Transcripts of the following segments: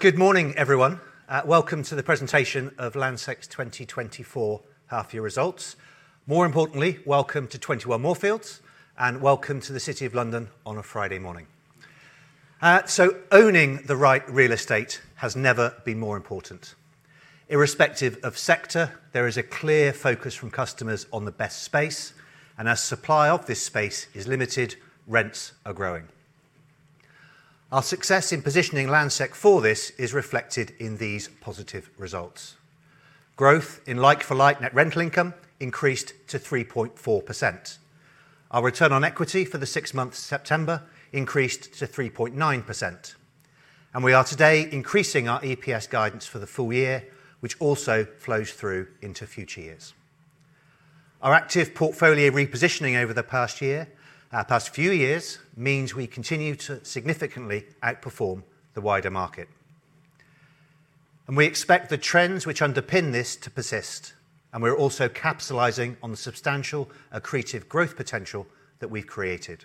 Good morning, everyone. Welcome to the presentation of Landsec 2024 half-year results. More importantly, welcome to 21 Moorfields, and welcome to the City of London on a Friday morning. Owning the right real estate has never been more important. Irrespective of sector, there is a clear focus from customers on the best space, and as supply of this space is limited, rents are growing. Our success in positioning Landsec for this is reflected in these positive results. Growth in like-for-like net rental income increased to 3.4%. Our return on equity for the six months to September increased to 3.9%. We are today increasing our EPS guidance for the full year, which also flows through into future years. Our active portfolio repositioning over the past year, past few years, means we continue to significantly outperform the wider market. We expect the trends which underpin this to persist, and we're also capitalizing on the substantial accretive growth potential that we've created.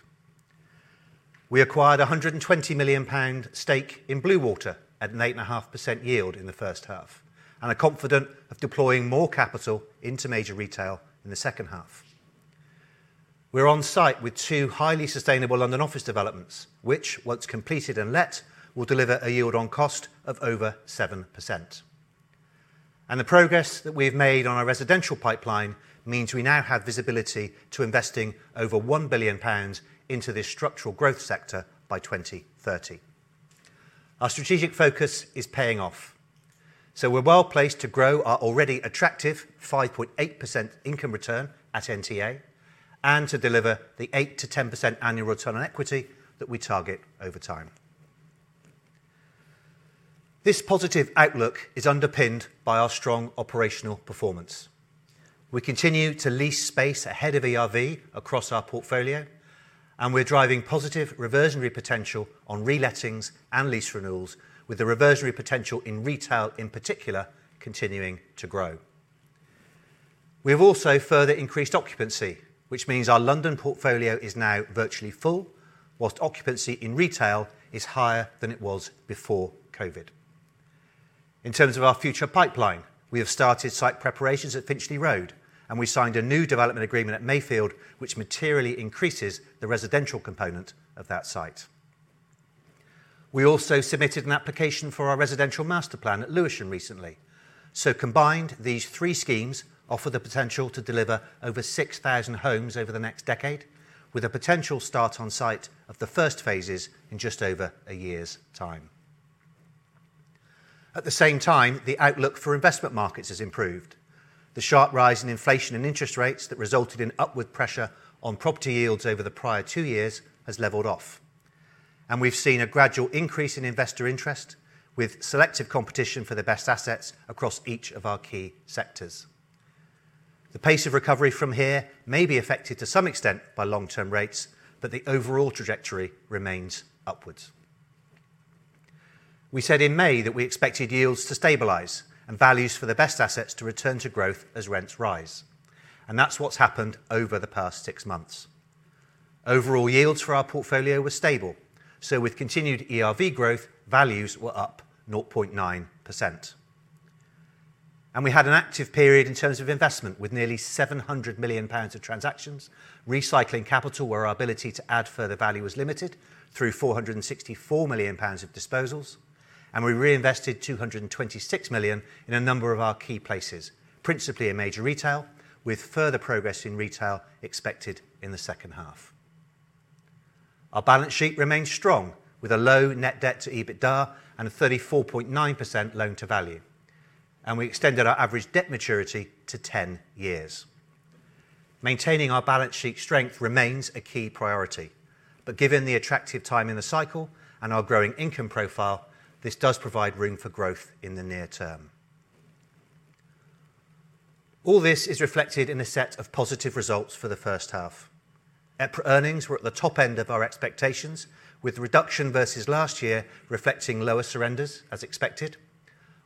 We acquired a 120 million pound stake in Bluewater at an 8.5% yield in the first half, and are confident of deploying more capital into major retail in the second half. We're on site with two highly sustainable London office developments, which, once completed and let, will deliver a yield on cost of over 7%. The progress that we've made on our residential pipeline means we now have visibility to investing over 1 billion pounds into this structural growth sector by 2030. Our strategic focus is paying off. We're well placed to grow our already attractive 5.8% income return at NTA, and to deliver the 8%-10% annual return on equity that we target over time. This positive outlook is underpinned by our strong operational performance. We continue to lease space ahead of ERV across our portfolio, and we're driving positive reversionary potential on relettings and lease renewals, with the reversionary potential in retail in particular continuing to grow. We have also further increased occupancy, which means our London portfolio is now virtually full, while occupancy in retail is higher than it was before COVID. In terms of our future pipeline, we have started site preparations at Finchley Road, and we signed a new development agreement at Mayfield, which materially increases the residential component of that site. We also submitted an application for our residential master plan at Lewisham recently. So, combined, these three schemes offer the potential to deliver over 6,000 homes over the next decade, with a potential start on site of the first phases in just over a year's time. At the same time, the outlook for investment markets has improved. The sharp rise in inflation and interest rates that resulted in upward pressure on property yields over the prior two years has leveled off. And we've seen a gradual increase in investor interest, with selective competition for the best assets across each of our key sectors. The pace of recovery from here may be affected to some extent by long-term rates, but the overall trajectory remains upwards. We said in May that we expected yields to stabilize and values for the best assets to return to growth as rents rise. And that's what's happened over the past six months. Overall yields for our portfolio were stable, so with continued ERV growth, values were up 0.9%. And we had an active period in terms of investment with nearly 700 million pounds of transactions, recycling capital where our ability to add further value was limited, through 464 million pounds of disposals. We reinvested 226 million in a number of our key places, principally in major retail, with further progress in retail expected in the second half. Our balance sheet remains strong, with a low net debt to EBITDA and a 34.9% loan to value. We extended our average debt maturity to 10 years. Maintaining our balance sheet strength remains a key priority, but given the attractive time in the cycle and our growing income profile, this does provide room for growth in the near term. All this is reflected in a set of positive results for the first half. EPRA earnings were at the top end of our expectations, with the reduction versus last year reflecting lower surrenders, as expected,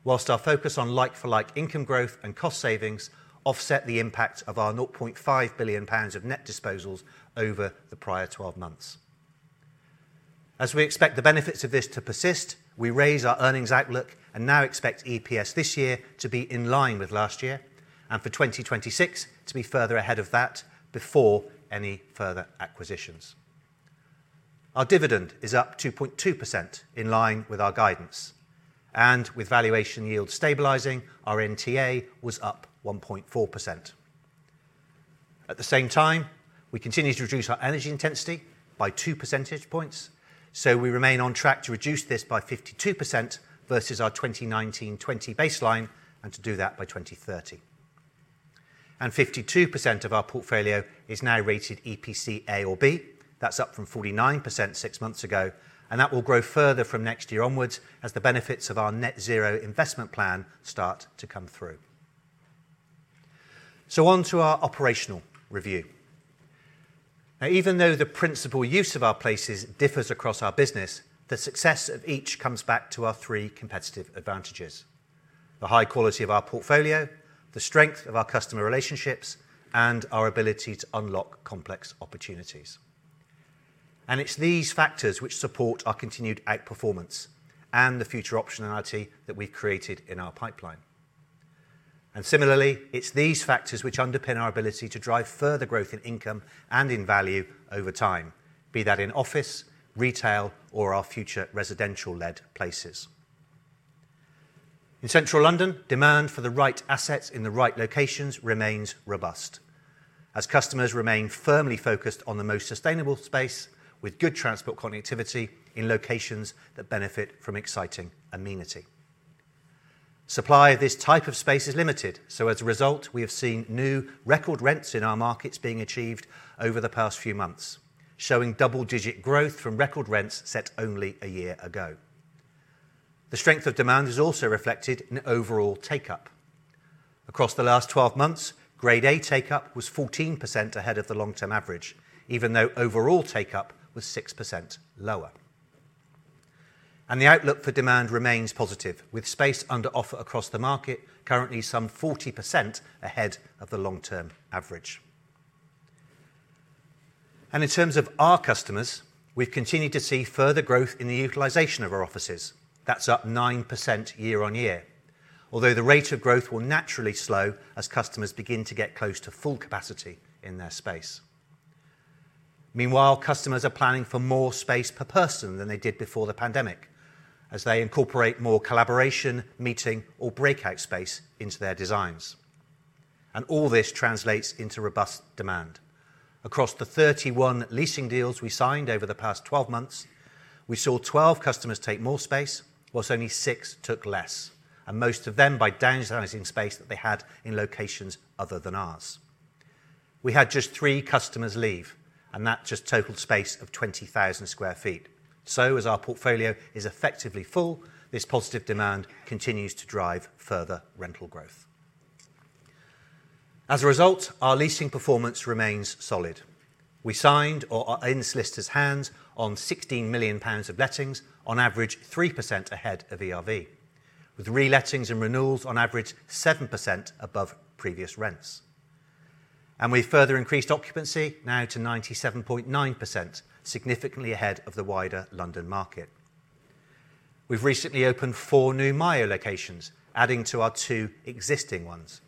while our focus on like-for-like income growth and cost savings offset the impact of our 0.5 billion pounds of net disposals over the prior 12 months. As we expect the benefits of this to persist, we raise our earnings outlook and now expect EPS this year to be in line with last year, and for 2026 to be further ahead of that before any further acquisitions. Our dividend is up 2.2% in line with our guidance, and with valuation yields stabilizing, our NTA was up 1.4%. At the same time, we continue to reduce our energy intensity by two percentage points, so we remain on track to reduce this by 52% versus our 2019-20 baseline, and to do that by 2030. And 52% of our portfolio is now rated EPC A or B. That's up from 49% six months ago, and that will grow further from next year onward as the benefits of our net zero investment plan start to come through. So, on to our operational review. Now, even though the principal use of our places differs across our business, the success of each comes back to our three competitive advantages: the high quality of our portfolio, the strength of our customer relationships, and our ability to unlock complex opportunities. And it's these factors which support our continued outperformance and the future optionality that we've created in our pipeline. And similarly, it's these factors which underpin our ability to drive further growth in income and in value over time, be that in office, retail, or our future residential-led places. In Central London, demand for the right assets in the right locations remains robust, as customers remain firmly focused on the most sustainable space, with good transport connectivity in locations that benefit from exciting amenity. Supply of this type of space is limited, so as a result, we have seen new record rents in our markets being achieved over the past few months, showing double-digit growth from record rents set only a year ago. The strength of demand is also reflected in overall take-up. Across the last 12 months, Grade A take-up was 14% ahead of the long-term average, even though overall take-up was 6% lower. And the outlook for demand remains positive, with space under offer across the market currently some 40% ahead of the long-term average. And in terms of our customers, we've continued to see further growth in the utilization of our offices. That's up 9% year on year, although the rate of growth will naturally slow as customers begin to get close to full capacity in their space. Meanwhile, customers are planning for more space per person than they did before the pandemic, as they incorporate more collaboration, meeting, or breakout space into their designs. All this translates into robust demand. Across the 31 leasing deals we signed over the past 12 months, we saw 12 customers take more space, whilst only 6 took less, and most of them by downsizing space that they had in locations other than ours. We had just three customers leave, and that just totaled space of 20,000 sq ft. Our portfolio is effectively full, so this positive demand continues to drive further rental growth. As a result, our leasing performance remains solid. We signed or are in solicitors' hands on 16 million pounds of lettings, on average 3% ahead of ERV, with relettings and renewals on average 7% above previous rents. We've further increased occupancy now to 97.9%, significantly ahead of the wider London market. We've recently opened four new MYO locations, adding to our two existing ones.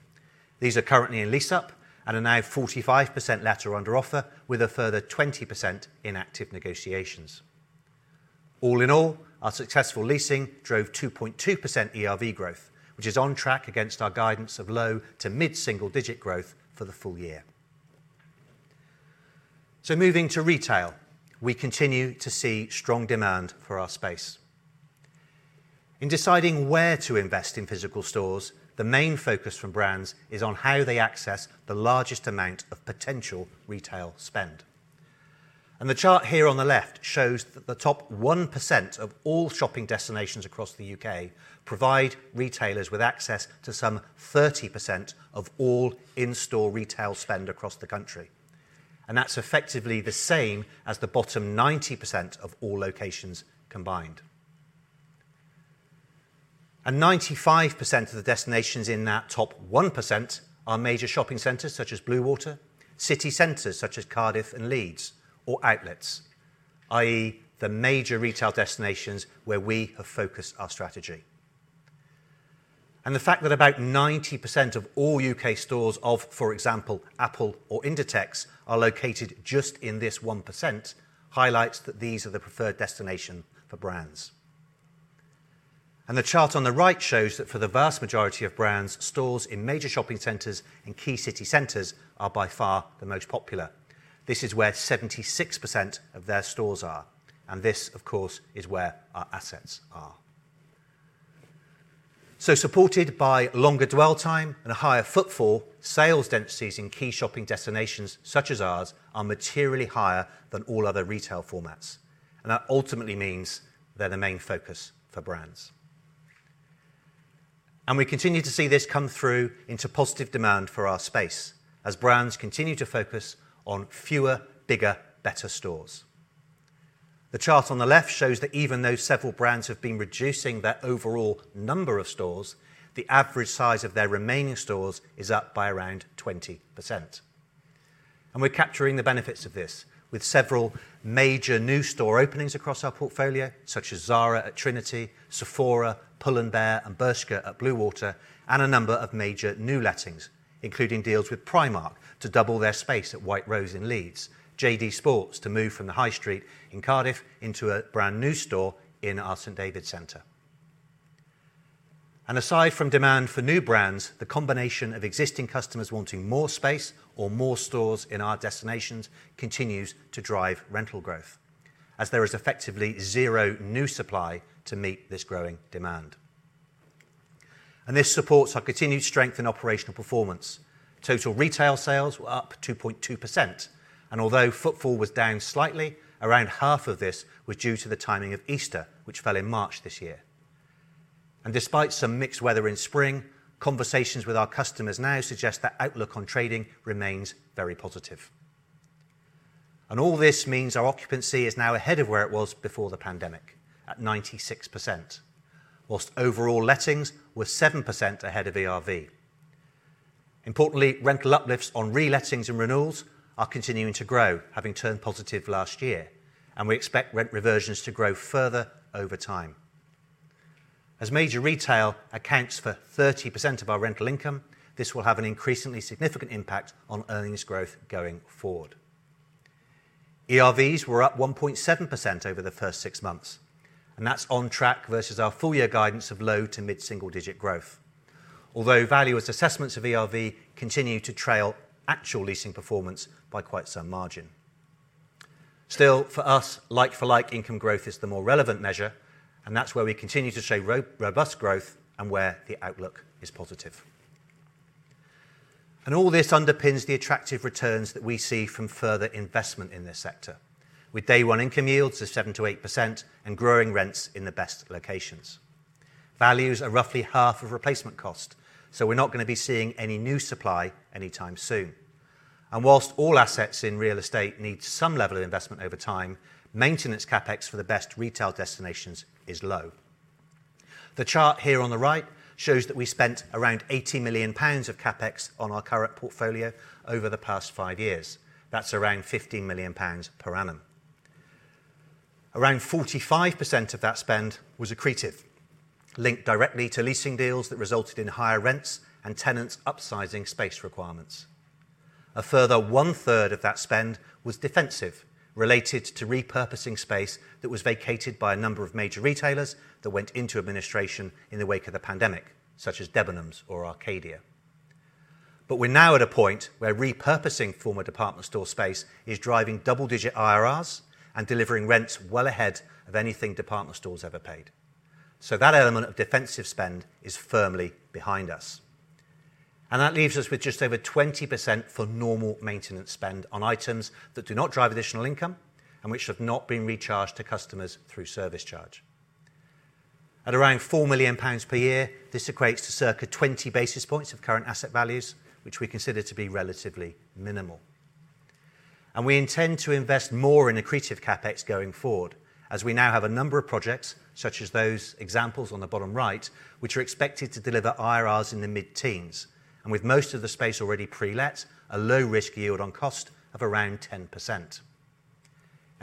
These are currently in lease-up and are now 45% let under offer, with a further 20% in active negotiations. All in all, our successful leasing drove 2.2% ERV growth, which is on track against our guidance of low to mid-single-digit growth for the full year. Moving to retail, we continue to see strong demand for our space. In deciding where to invest in physical stores, the main focus from brands is on how they access the largest amount of potential retail spend. The chart here on the left shows that the top 1% of all shopping destinations across the UK provide retailers with access to some 30% of all in-store retail spend across the country. And that's effectively the same as the bottom 90% of all locations combined. And 95% of the destinations in that top 1% are major shopping centers such as Bluewater, city centers such as Cardiff and Leeds, or outlets, i.e., the major retail destinations where we have focused our strategy. And the fact that about 90% of all U.K. stores of, for example, Apple or Inditex are located just in this 1% highlights that these are the preferred destination for brands. And the chart on the right shows that for the vast majority of brands, stores in major shopping centers and key city centers are by far the most popular. This is where 76% of their stores are, and this, of course, is where our assets are. Supported by longer dwell time and a higher footfall, sales densities in key shopping destinations such as ours are materially higher than all other retail formats. And that ultimately means they're the main focus for brands. And we continue to see this come through into positive demand for our space, as brands continue to focus on fewer, bigger, better stores. The chart on the left shows that even though several brands have been reducing their overall number of stores, the average size of their remaining stores is up by around 20%. We're capturing the benefits of this with several major new store openings across our portfolio, such as Zara at Trinity, Sephora, Pull & Bear, and Bershka at Bluewater, and a number of major new lettings, including deals with Primark to double their space at White Rose in Leeds, JD Sports to move from the High Street in Cardiff into a brand new store in our St David's Centre. Aside from demand for new brands, the combination of existing customers wanting more space or more stores in our destinations continues to drive rental growth, as there is effectively zero new supply to meet this growing demand. This supports our continued strength in operational performance. Total retail sales were up 2.2%, and although footfall was down slightly, around half of this was due to the timing of Easter, which fell in March this year. Despite some mixed weather in spring, conversations with our customers now suggest that outlook on trading remains very positive. All this means our occupancy is now ahead of where it was before the pandemic, at 96%, while overall lettings were 7% ahead of ERV. Importantly, rental uplifts on relettings and renewals are continuing to grow, having turned positive last year, and we expect rent reversions to grow further over time. As major retail accounts for 30% of our rental income, this will have an increasingly significant impact on earnings growth going forward. ERVs were up 1.7% over the first six months, and that's on track versus our full-year guidance of low to mid-single-digit growth, although valuers' assessments of ERV continue to trail actual leasing performance by quite some margin. Still, for us, like-for-like income growth is the more relevant measure, and that's where we continue to show robust growth and where the outlook is positive. And all this underpins the attractive returns that we see from further investment in this sector, with day one income yields of 7%-8% and growing rents in the best locations. Values are roughly half of replacement cost, so we're not going to be seeing any new supply anytime soon. And while all assets in real estate need some level of investment over time, maintenance CapEx for the best retail destinations is low. The chart here on the right shows that we spent around 80 million pounds of CapEx on our current portfolio over the past five years. That's around 15 million pounds per annum. Around 45% of that spend was accretive, linked directly to leasing deals that resulted in higher rents and tenants upsizing space requirements. A further one-third of that spend was defensive, related to repurposing space that was vacated by a number of major retailers that went into administration in the wake of the pandemic, such as Debenhams or Arcadia. But we're now at a point where repurposing former department store space is driving double-digit IRRs and delivering rents well ahead of anything department stores ever paid. So that element of defensive spend is firmly behind us. And that leaves us with just over 20% for normal maintenance spend on items that do not drive additional income and which have not been recharged to customers through service charge. At around 4 million pounds per year, this equates to circa 20 basis points of current asset values, which we consider to be relatively minimal. We intend to invest more in accretive CapEx going forward, as we now have a number of projects, such as those examples on the bottom right, which are expected to deliver IRRs in the mid-teens, and with most of the space already pre-let, a low-risk yield on cost of around 10%.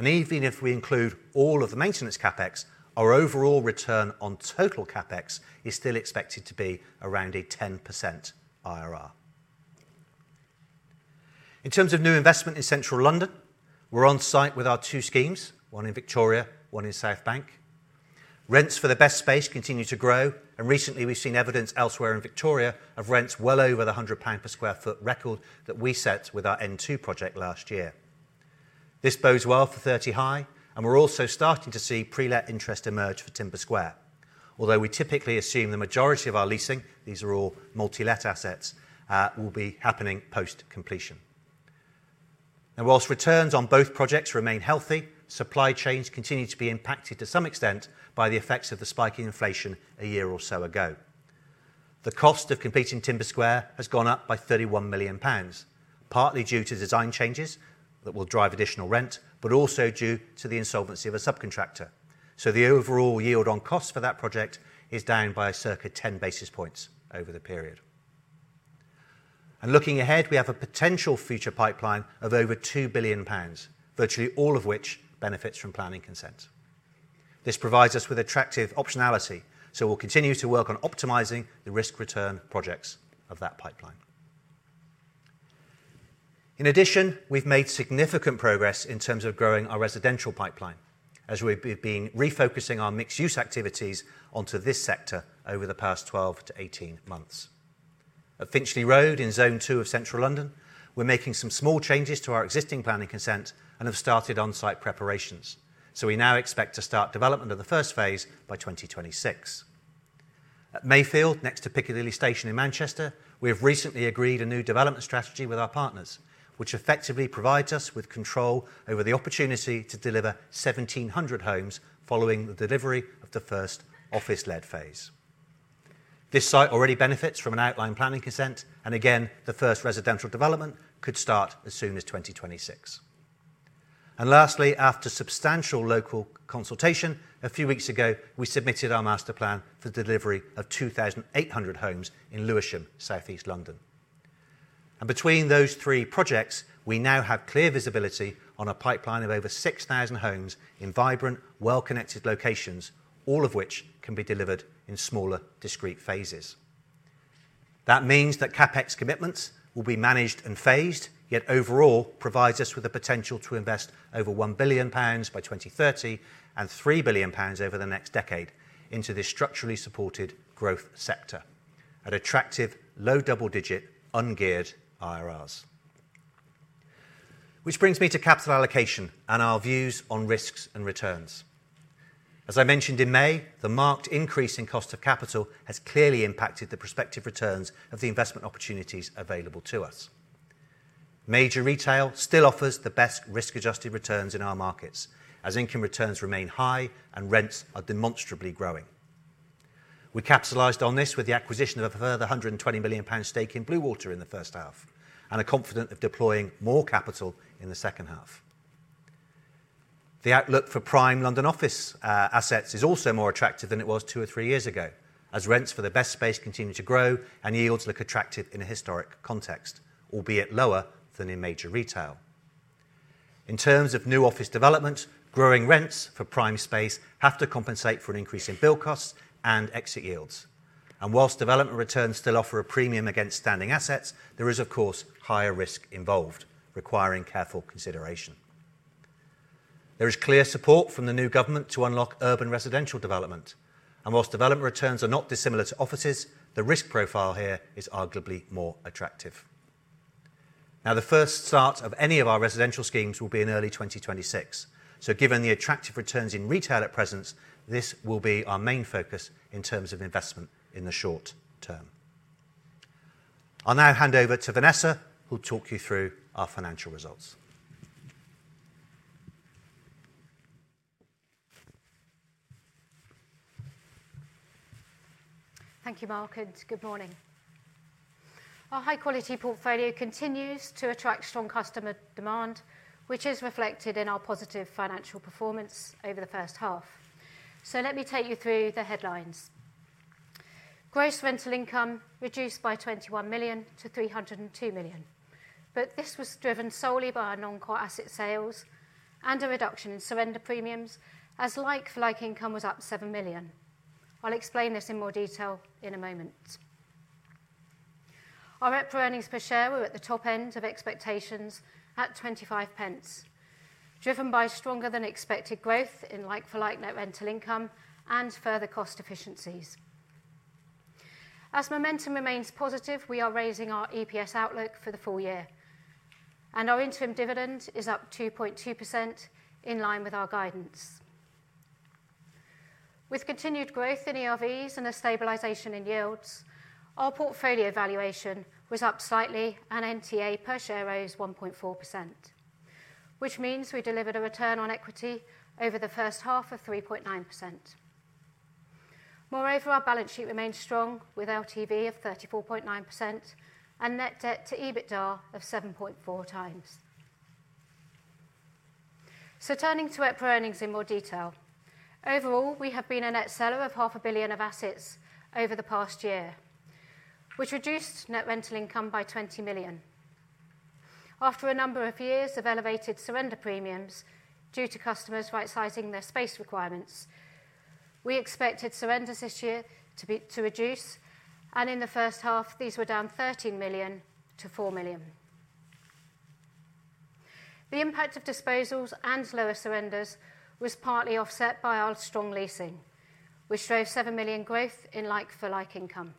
Even if we include all of the maintenance CapEx, our overall return on total CapEx is still expected to be around a 10% IRR. In terms of new investment in Central London, we're on site with our two schemes, one in Victoria, one in South Bank. Rents for the best space continue to grow, and recently we've seen evidence elsewhere in Victoria of rents well over the 100 pound per sq ft record that we set with our n2 project last year. This bodes well for 30 High, and we're also starting to see pre-let interest emerge for Timber Square, although we typically assume the majority of our leasing, these are all multi-let assets, will be happening post-completion. Whilst returns on both projects remain healthy, supply chains continue to be impacted to some extent by the effects of the spike in inflation a year or so ago. The cost of completing Timber Square has gone up by 31 million pounds, partly due to design changes that will drive additional rent, but also due to the insolvency of a subcontractor. The overall yield on cost for that project is down by circa 10 basis points over the period. Looking ahead, we have a potential future pipeline of over 2 billion pounds, virtually all of which benefits from planning consent. This provides us with attractive optionality, so we'll continue to work on optimizing the risk-return projects of that pipeline. In addition, we've made significant progress in terms of growing our residential pipeline, as we've been refocusing our mixed-use activities onto this sector over the past 12-18 months. At Finchley Road in Zone 2 of Central London, we're making some small changes to our existing planning consent and have started on-site preparations. So we now expect to start development of the first phase by 2026. At Mayfield, next to Piccadilly Station in Manchester, we have recently agreed a new development strategy with our partners, which effectively provides us with control over the opportunity to deliver 1,700 homes following the delivery of the first office-led phase. This site already benefits from an outlined planning consent, and again, the first residential development could start as soon as 2026. Lastly, after substantial local consultation a few weeks ago, we submitted our master plan for the delivery of 2,800 homes in Lewisham, Southeast London. Between those three projects, we now have clear visibility on a pipeline of over 6,000 homes in vibrant, well-connected locations, all of which can be delivered in smaller, discreet phases. That means that CapEx commitments will be managed and phased, yet overall provides us with the potential to invest over 1 billion pounds by 2030 and 3 billion pounds over the next decade into this structurally supported growth sector at attractive, low double-digit, ungeared IRRs. Which brings me to capital allocation and our views on risks and returns. As I mentioned in May, the marked increase in cost of capital has clearly impacted the prospective returns of the investment opportunities available to us. Major retail still offers the best risk-adjusted returns in our markets, as income returns remain high and rents are demonstrably growing. We capitalized on this with the acquisition of a further 120 million pound stake in Bluewater in the first half, and are confident of deploying more capital in the second half. The outlook for prime London office assets is also more attractive than it was two or three years ago, as rents for the best space continue to grow and yields look attractive in a historic context, albeit lower than in major retail. In terms of new office development, growing rents for prime space have to compensate for an increase in build costs and exit yields, and whilst development returns still offer a premium against standing assets, there is, of course, higher risk involved, requiring careful consideration. There is clear support from the new government to unlock urban residential development, and while development returns are not dissimilar to offices, the risk profile here is arguably more attractive. Now, the first start of any of our residential schemes will be in early 2026, so given the attractive returns in retail at present, this will be our main focus in terms of investment in the short term. I'll now hand over to Vanessa, who'll talk you through our financial results. Thank you, Mark. Good morning. Our high-quality portfolio continues to attract strong customer demand, which is reflected in our positive financial performance over the first half. Let me take you through the headlines. Gross rental income reduced by 21 million to GPB 302 million, but this was driven solely by our non-core asset sales and a reduction in surrender premiums, as like-for-like income was up GPB 7 million. I'll explain this in more detail in a moment. Our EPRA earnings per share were at the top end of expectations at 0.25, driven by stronger-than-expected growth in like-for-like net rental income and further cost efficiencies. As momentum remains positive, we are raising our EPS outlook for the full year, and our interim dividend is up 2.2% in line with our guidance. With continued growth in ERVs and a stabilization in yields, our portfolio valuation was up slightly, and NTA per share rose 1.4%, which means we delivered a return on equity over the first half of 3.9%. Moreover, our balance sheet remained strong with LTV of 34.9% and net debt to EBITDA of 7.4 times. So turning to EPRA earnings in more detail, overall, we have been a net seller of 500 million of assets over the past year, which reduced net rental income by 20 million. After a number of years of elevated surrender premiums due to customers rightsizing their space requirements, we expected surrenders this year to reduce, and in the first half, these were down 13 million to 4 million. The impact of disposals and lower surrenders was partly offset by our strong leasing, which drove 7 million growth in like-for-like income.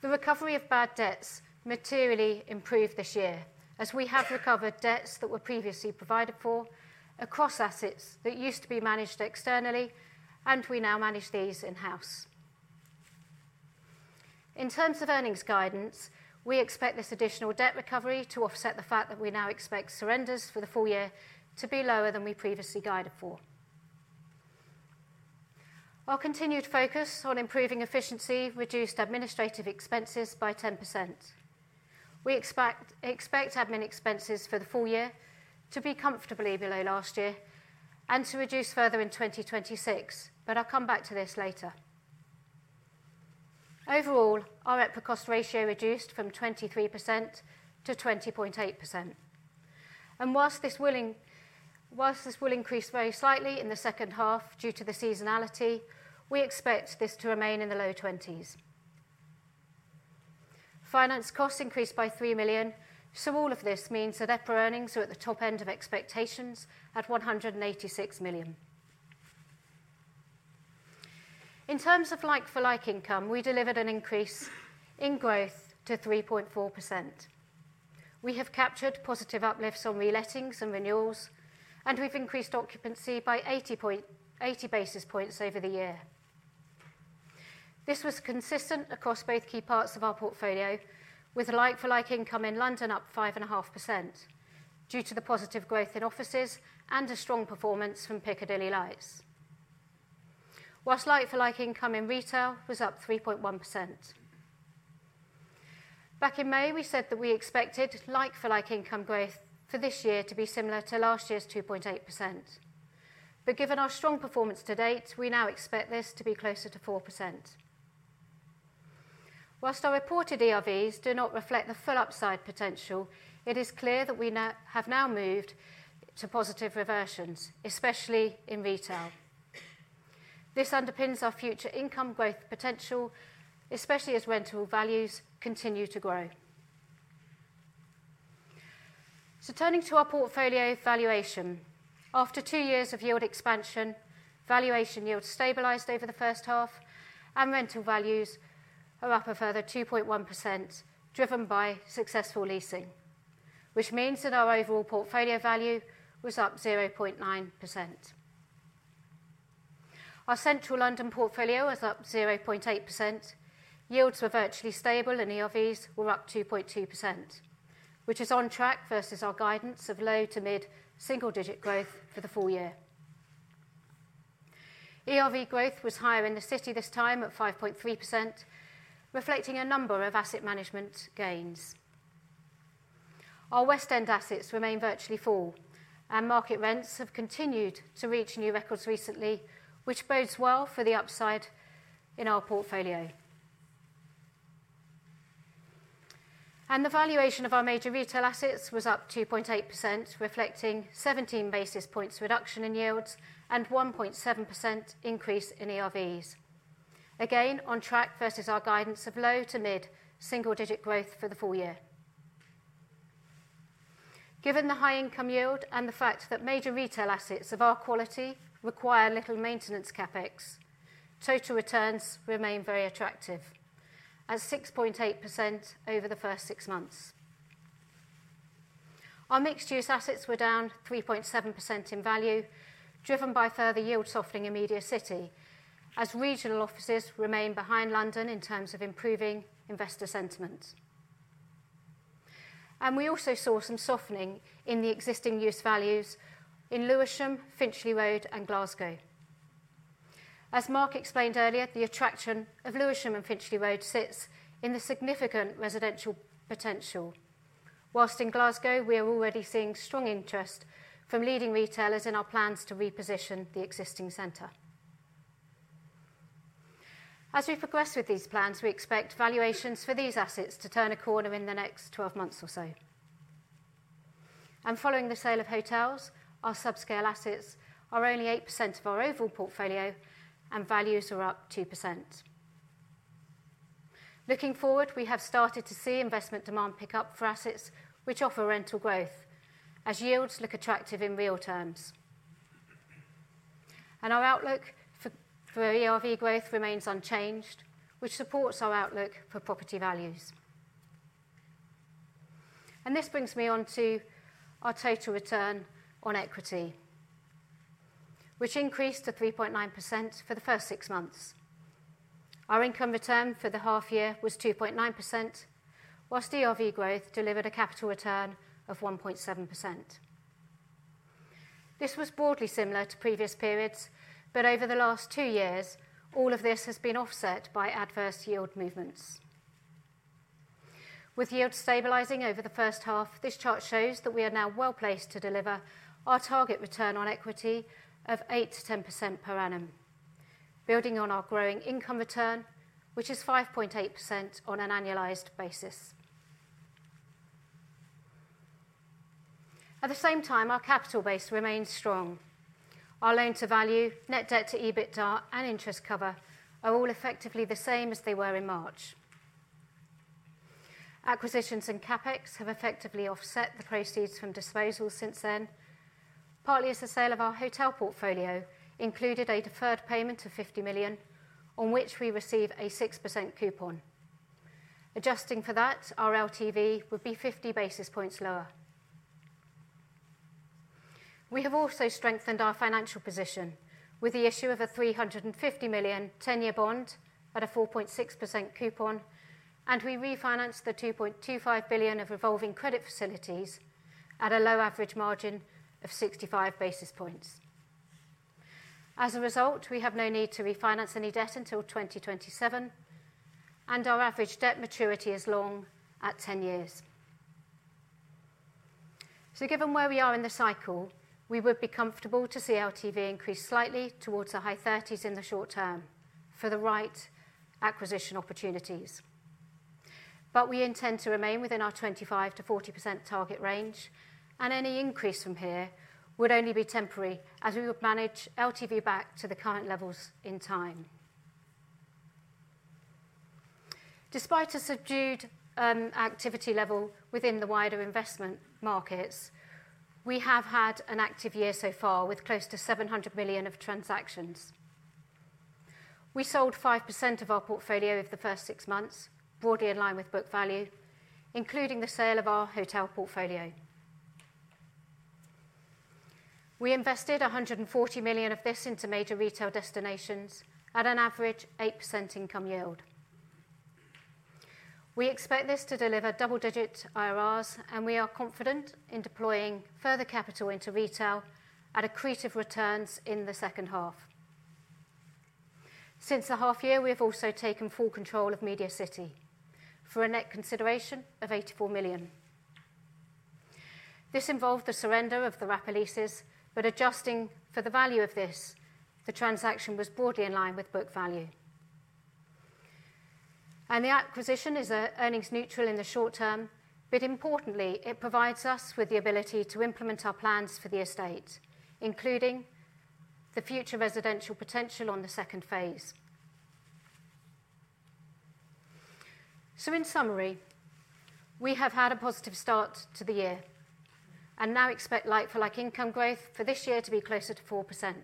The recovery of bad debts materially improved this year, as we have recovered debts that were previously provided for across assets that used to be managed externally, and we now manage these in-house. In terms of earnings guidance, we expect this additional debt recovery to offset the fact that we now expect surrenders for the full year to be lower than we previously guided for. Our continued focus on improving efficiency reduced administrative expenses by 10%. We expect admin expenses for the full year to be comfortably below last year and to reduce further in 2026, but I'll come back to this later. Overall, our EPRA Cost Ratio reduced from 23% to 20.8%. While this will increase very slightly in the second half due to the seasonality, we expect this to remain in the low 20s. Finance costs increased by 3 million, so all of this means that EPRA earnings are at the top end of expectations at 186 million. In terms of like-for-like income, we delivered an increase in growth to 3.4%. We have captured positive uplifts on re-lettings and renewals, and we've increased occupancy by 80 basis points over the year. This was consistent across both key parts of our portfolio, with like-for-like income in London up 5.5% due to the positive growth in offices and a strong performance from Piccadilly Lights, whilst like-for-like income in retail was up 3.1%. Back in May, we said that we expected like-for-like income growth for this year to be similar to last year's 2.8%, but given our strong performance to date, we now expect this to be closer to 4%. Whilst our reported ERVs do not reflect the full upside potential, it is clear that we have now moved to positive reversions, especially in retail. This underpins our future income growth potential, especially as rental values continue to grow. Turning to our portfolio valuation, after two years of yield expansion, valuation yields stabilized over the first half, and rental values are up a further 2.1%, driven by successful leasing, which means that our overall portfolio value was up 0.9%. Our Central London portfolio is up 0.8%, yields were virtually stable, and ERVs were up 2.2%, which is on track versus our guidance of low to mid single-digit growth for the full year. ERV growth was higher in the city this time at 5.3%, reflecting a number of asset management gains. Our West End assets remain virtually full, and market rents have continued to reach new records recently, which bodes well for the upside in our portfolio. The valuation of our major retail assets was up 2.8%, reflecting 17 basis points reduction in yields and 1.7% increase in ERVs, again on track versus our guidance of low to mid single-digit growth for the full year. Given the high income yield and the fact that major retail assets of our quality require little maintenance CapEx, total returns remain very attractive, at 6.8% over the first six months. Our mixed-use assets were down 3.7% in value, driven by further yield softening in MediaCity, as regional offices remain behind London in terms of improving investor sentiment. We also saw some softening in the existing use values in Lewisham, Finchley Road, and Glasgow. As Mark explained earlier, the attraction of Lewisham and Finchley Road sits in the significant residential potential, while in Glasgow we are already seeing strong interest from leading retailers in our plans to reposition the existing centre. As we progress with these plans, we expect valuations for these assets to turn a corner in the next 12 months or so. And following the sale of hotels, our subscale assets are only 8% of our overall portfolio, and values are up 2%. Looking forward, we have started to see investment demand pick up for assets which offer rental growth, as yields look attractive in real terms. And our outlook for ERV growth remains unchanged, which supports our outlook for property values. And this brings me on to our total return on equity, which increased to 3.9% for the first six months. Our income return for the half year was 2.9%, while ERV growth delivered a capital return of 1.7%. This was broadly similar to previous periods, but over the last two years, all of this has been offset by adverse yield movements. With yields stabilizing over the first half, this chart shows that we are now well placed to deliver our target return on equity of 8%-10% per annum, building on our growing income return, which is 5.8% on an annualized basis. At the same time, our capital base remains strong. Our loan-to-value, net debt to EBITDA, and interest cover are all effectively the same as they were in March. Acquisitions and CapEx have effectively offset the proceeds from disposals since then, partly as the sale of our hotel portfolio included a deferred payment of 50 million, on which we receive a 6% coupon. Adjusting for that, our LTV would be 50 basis points lower. We have also strengthened our financial position with the issue of a 350 million 10-year bond at a 4.6% coupon, and we refinanced the 2.25 billion of revolving credit facilities at a low average margin of 65 basis points. As a result, we have no need to refinance any debt until 2027, and our average debt maturity is long at 10 years. So given where we are in the cycle, we would be comfortable to see LTV increase slightly towards the high 30s in the short term for the right acquisition opportunities. But we intend to remain within our 25%-40% target range, and any increase from here would only be temporary, as we would manage LTV back to the current levels in time. Despite a subdued activity level within the wider investment markets, we have had an active year so far with close to 700 million of transactions. We sold 5% of our portfolio of the first six months, broadly in line with book value, including the sale of our hotel portfolio. We invested 140 million of this into major retail destinations at an average 8% income yield. We expect this to deliver double-digit IRRs, and we are confident in deploying further capital into retail at accretive returns in the second half. Since the half year, we have also taken full control of MediaCity for a net consideration of 84 million. This involved the surrender of the wrapper leases, but adjusting for the value of this, the transaction was broadly in line with book value. And the acquisition is earnings neutral in the short term, but importantly, it provides us with the ability to implement our plans for the estate, including the future residential potential on the second phase. So in summary, we have had a positive start to the year and now expect like-for-like income growth for this year to be closer to 4%.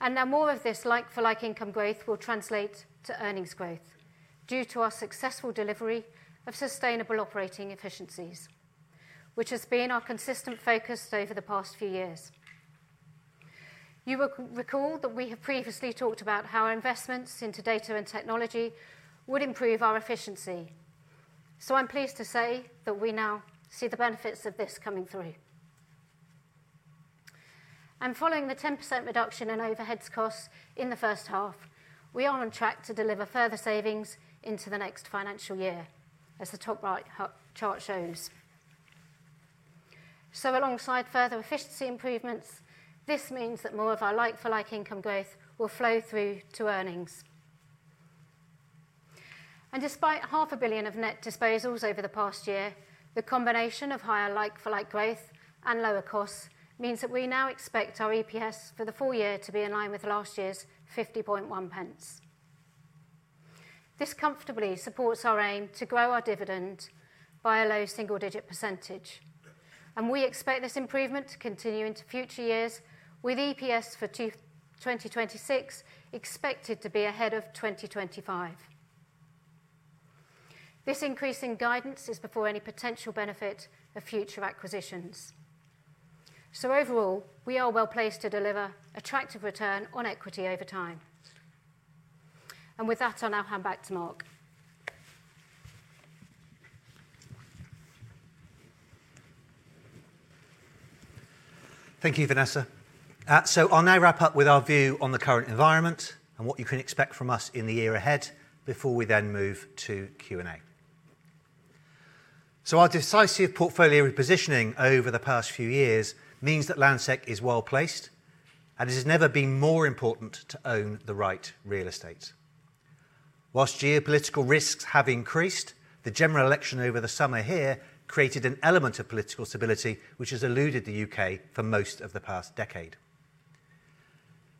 And now more of this like-for-like income growth will translate to earnings growth due to our successful delivery of sustainable operating efficiencies, which has been our consistent focus over the past few years. You will recall that we have previously talked about how our investments into data and technology would improve our efficiency, so I'm pleased to say that we now see the benefits of this coming through. Following the 10% reduction in overhead costs in the first half, we are on track to deliver further savings into the next financial year, as the top right chart shows. Alongside further efficiency improvements, this means that more of our like-for-like income growth will flow through to earnings. Despite 500 million of net disposals over the past year, the combination of higher like-for-like growth and lower costs means that we now expect our EPS for the full year to be in line with last year's 0.501. This comfortably supports our aim to grow our dividend by a low single-digit %, and we expect this improvement to continue into future years, with EPS for 2026 expected to be ahead of 2025. This increase in guidance is before any potential benefit of future acquisitions. Overall, we are well placed to deliver attractive return on equity over time. With that, I'll now hand back to Mark. Thank you, Vanessa. I'll now wrap up with our view on the current environment and what you can expect from us in the year ahead before we then move to Q&A. Our decisive portfolio repositioning over the past few years means that Landsec is well placed, and it has never been more important to own the right real estate. Whilst geopolitical risks have increased, the general election over the summer here created an element of political stability, which has eluded the U.K. for most of the past decade.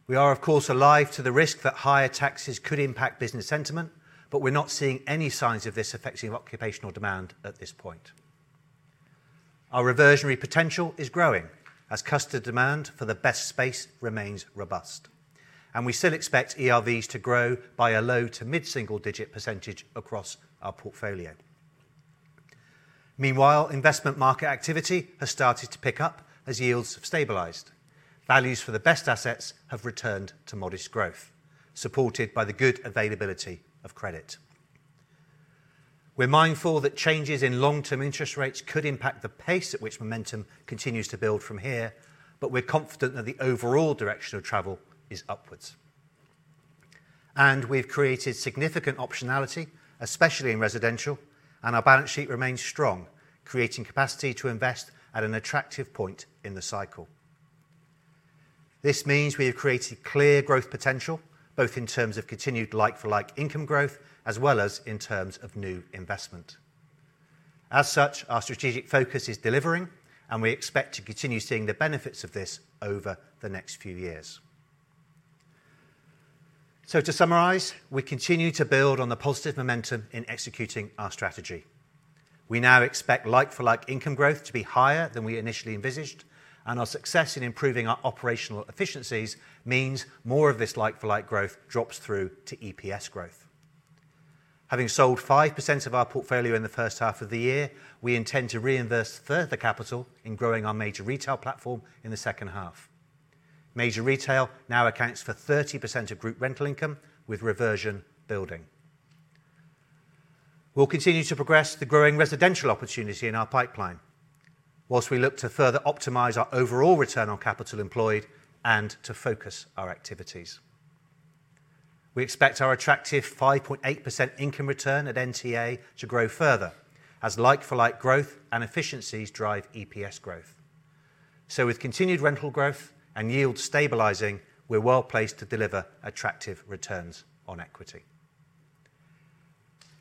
We are, of course, alive to the risk that higher taxes could impact business sentiment, but we're not seeing any signs of this affecting occupational demand at this point. Our reversionary potential is growing as customer demand for the best space remains robust, and we still expect ERVs to grow by a low- to mid-single-digit % across our portfolio. Meanwhile, investment market activity has started to pick up as yields have stabilized. Values for the best assets have returned to modest growth, supported by the good availability of credit. We're mindful that changes in long-term interest rates could impact the pace at which momentum continues to build from here, but we're confident that the overall direction of travel is upward, and we've created significant optionality, especially in residential, and our balance sheet remains strong, creating capacity to invest at an attractive point in the cycle. This means we have created clear growth potential, both in terms of continued like-for-like income growth as well as in terms of new investment. As such, our strategic focus is delivering, and we expect to continue seeing the benefits of this over the next few years. So to summarize, we continue to build on the positive momentum in executing our strategy. We now expect like-for-like income growth to be higher than we initially envisioned, and our success in improving our operational efficiencies means more of this like-for-like growth drops through to EPS growth. Having sold 5% of our portfolio in the first half of the year, we intend to reinvest further capital in growing our major retail platform in the second half. Major retail now accounts for 30% of group rental income with reversion building. We'll continue to progress the growing residential opportunity in our pipeline while we look to further optimize our overall return on capital employed and to focus our activities. We expect our attractive 5.8% income return at NTA to grow further as like-for-like growth and efficiencies drive EPS growth. So with continued rental growth and yields stabilizing, we're well placed to deliver attractive returns on equity.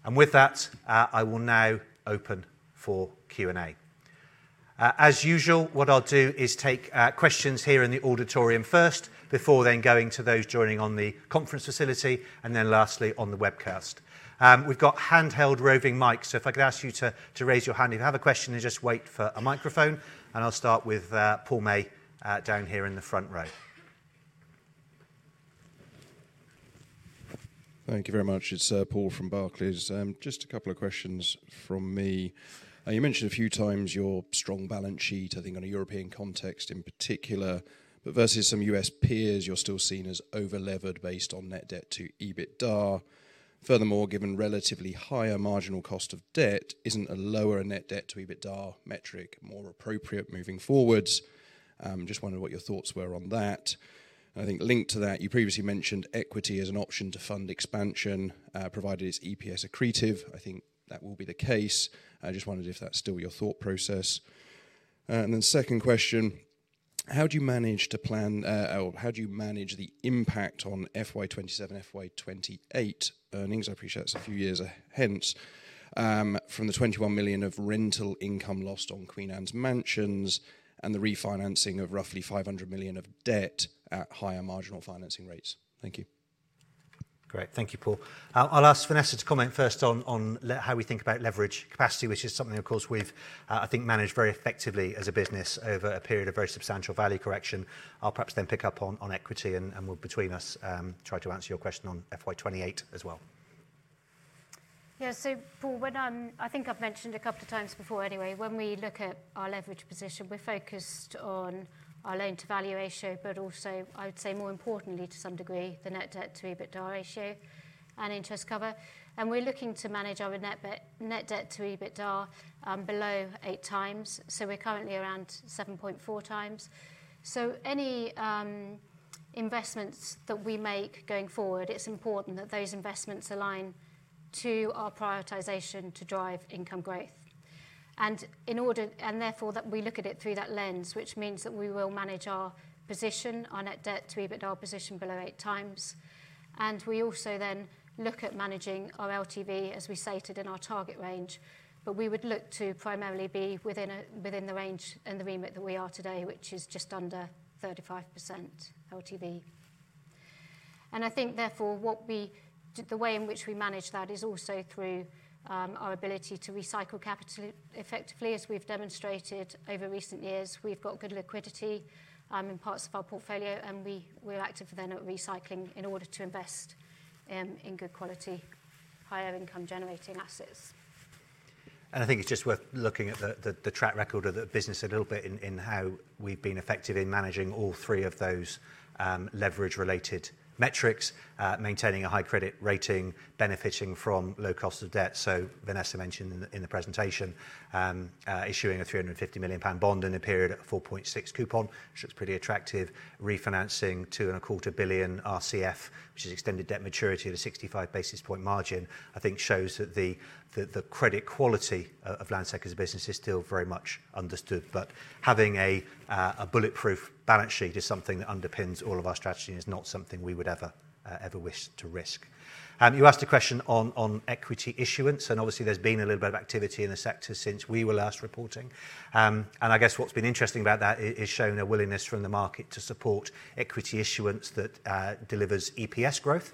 And with that, I will now open for Q&A. As usual, what I'll do is take questions here in the auditorium first, before then going to those joining on the conference facility, and then lastly on the webcast. We've got handheld roving mics, so if I could ask you to raise your hand if you have a question and just wait for a microphone, and I'll start with Paul May down here in the front row. Thank you very much. It's Paul from Barclays. Just a couple of questions from me. You mentioned a few times your strong balance sheet. I think in a European context in particular, but versus some US peers, you're still seen as over-levered based on net debt to EBITDA. Furthermore, given relatively higher marginal cost of debt, isn't a lower net debt to EBITDA metric more appropriate moving forward? Just wondering what your thoughts were on that. I think linked to that, you previously mentioned equity as an option to fund expansion, provided it's EPS accretive. I think that will be the case. I just wondered if that's still your thought process. And then second question, how do you manage to plan, or how do you manage the impact on FY2027, FY2028 earnings? I appreciate that's a few years hence from the 21 million of rental income lost on Queen Anne's Mansions and the refinancing of roughly 500 million of debt at higher marginal financing rates? Thank you. Great. Thank you, Paul. I'll ask Vanessa to comment first on how we think about leverage capacity, which is something, of course, we've, I think, managed very effectively as a business over a period of very substantial value correction. I'll perhaps then pick up on equity, and we'll between us try to answer your question on FY2028 as well. Yeah, so Paul, when I'm, I think I've mentioned a couple of times before anyway, when we look at our leverage position, we're focused on our loan-to-value ratio, but also, I would say more importantly to some degree, the net debt to EBITDA ratio and interest cover. And we're looking to manage our net debt to EBITDA below eight times, so we're currently around 7.4x. So any investments that we make going forward, it's important that those investments align to our prioritization to drive income growth. In order, and therefore that we look at it through that lens, which means that we will manage our position, our net debt to EBITDA position below eight times. We also then look at managing our LTV as we stated in our target range, but we would look to primarily be within the range and the remit that we are today, which is just under 35% LTV. I think therefore what we, the way in which we manage that is also through our ability to recycle capital effectively. As we've demonstrated over recent years, we've got good liquidity in parts of our portfolio, and we're active then at recycling in order to invest in good quality, higher income generating assets. I think it's just worth looking at the track record of the business a little bit in how we've been effective in managing all three of those leverage-related metrics, maintaining a high credit rating, benefiting from low cost of debt. So Vanessa mentioned in the presentation issuing a 350 million pound bond in a period at a 4.6 coupon, which looks pretty attractive, refinancing 2.25 billion RCF, which is extended debt maturity at a 65 basis point margin. I think shows that the credit quality of Landsec as a business is still very much understood, but having a bulletproof balance sheet is something that underpins all of our strategy and is not something we would ever, ever wish to risk. You asked a question on equity issuance, and obviously there's been a little bit of activity in the sector since we were last reporting. And I guess what's been interesting about that is showing a willingness from the market to support equity issuance that delivers EPS growth,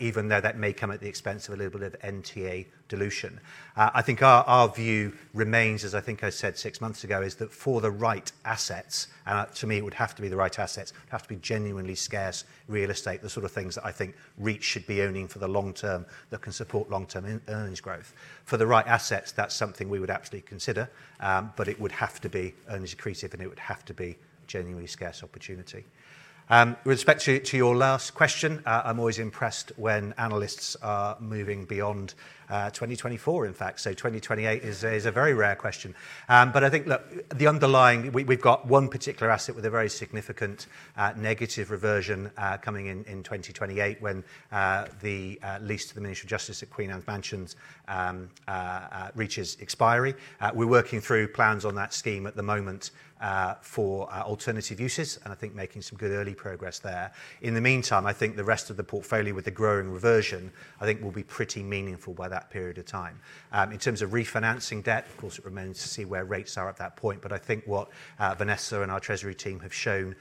even though that may come at the expense of a little bit of NTA dilution. I think our view remains, as I think I said six months ago, is that for the right assets, and to me it would have to be the right assets, would have to be genuinely scarce real estate, the sort of things that I think REITs should be owning for the long term that can support long-term earnings growth. For the right assets, that's something we would absolutely consider, but it would have to be earnings accretive and it would have to be a genuinely scarce opportunity. With respect to your last question, I'm always impressed when analysts are moving beyond 2024, in fact. So, 2028 is a very rare question, but I think the underlying, we've got one particular asset with a very significant negative reversion coming in 2028 when the lease to the Ministry of Justice at Queen Anne's Mansions reaches expiry. We're working through plans on that scheme at the moment for alternative uses, and I think making some good early progress there. In the meantime, I think the rest of the portfolio with the growing reversion, I think will be pretty meaningful by that period of time. In terms of refinancing debt, of course it remains to see where rates are at that point, but I think what Vanessa and our treasury team have shown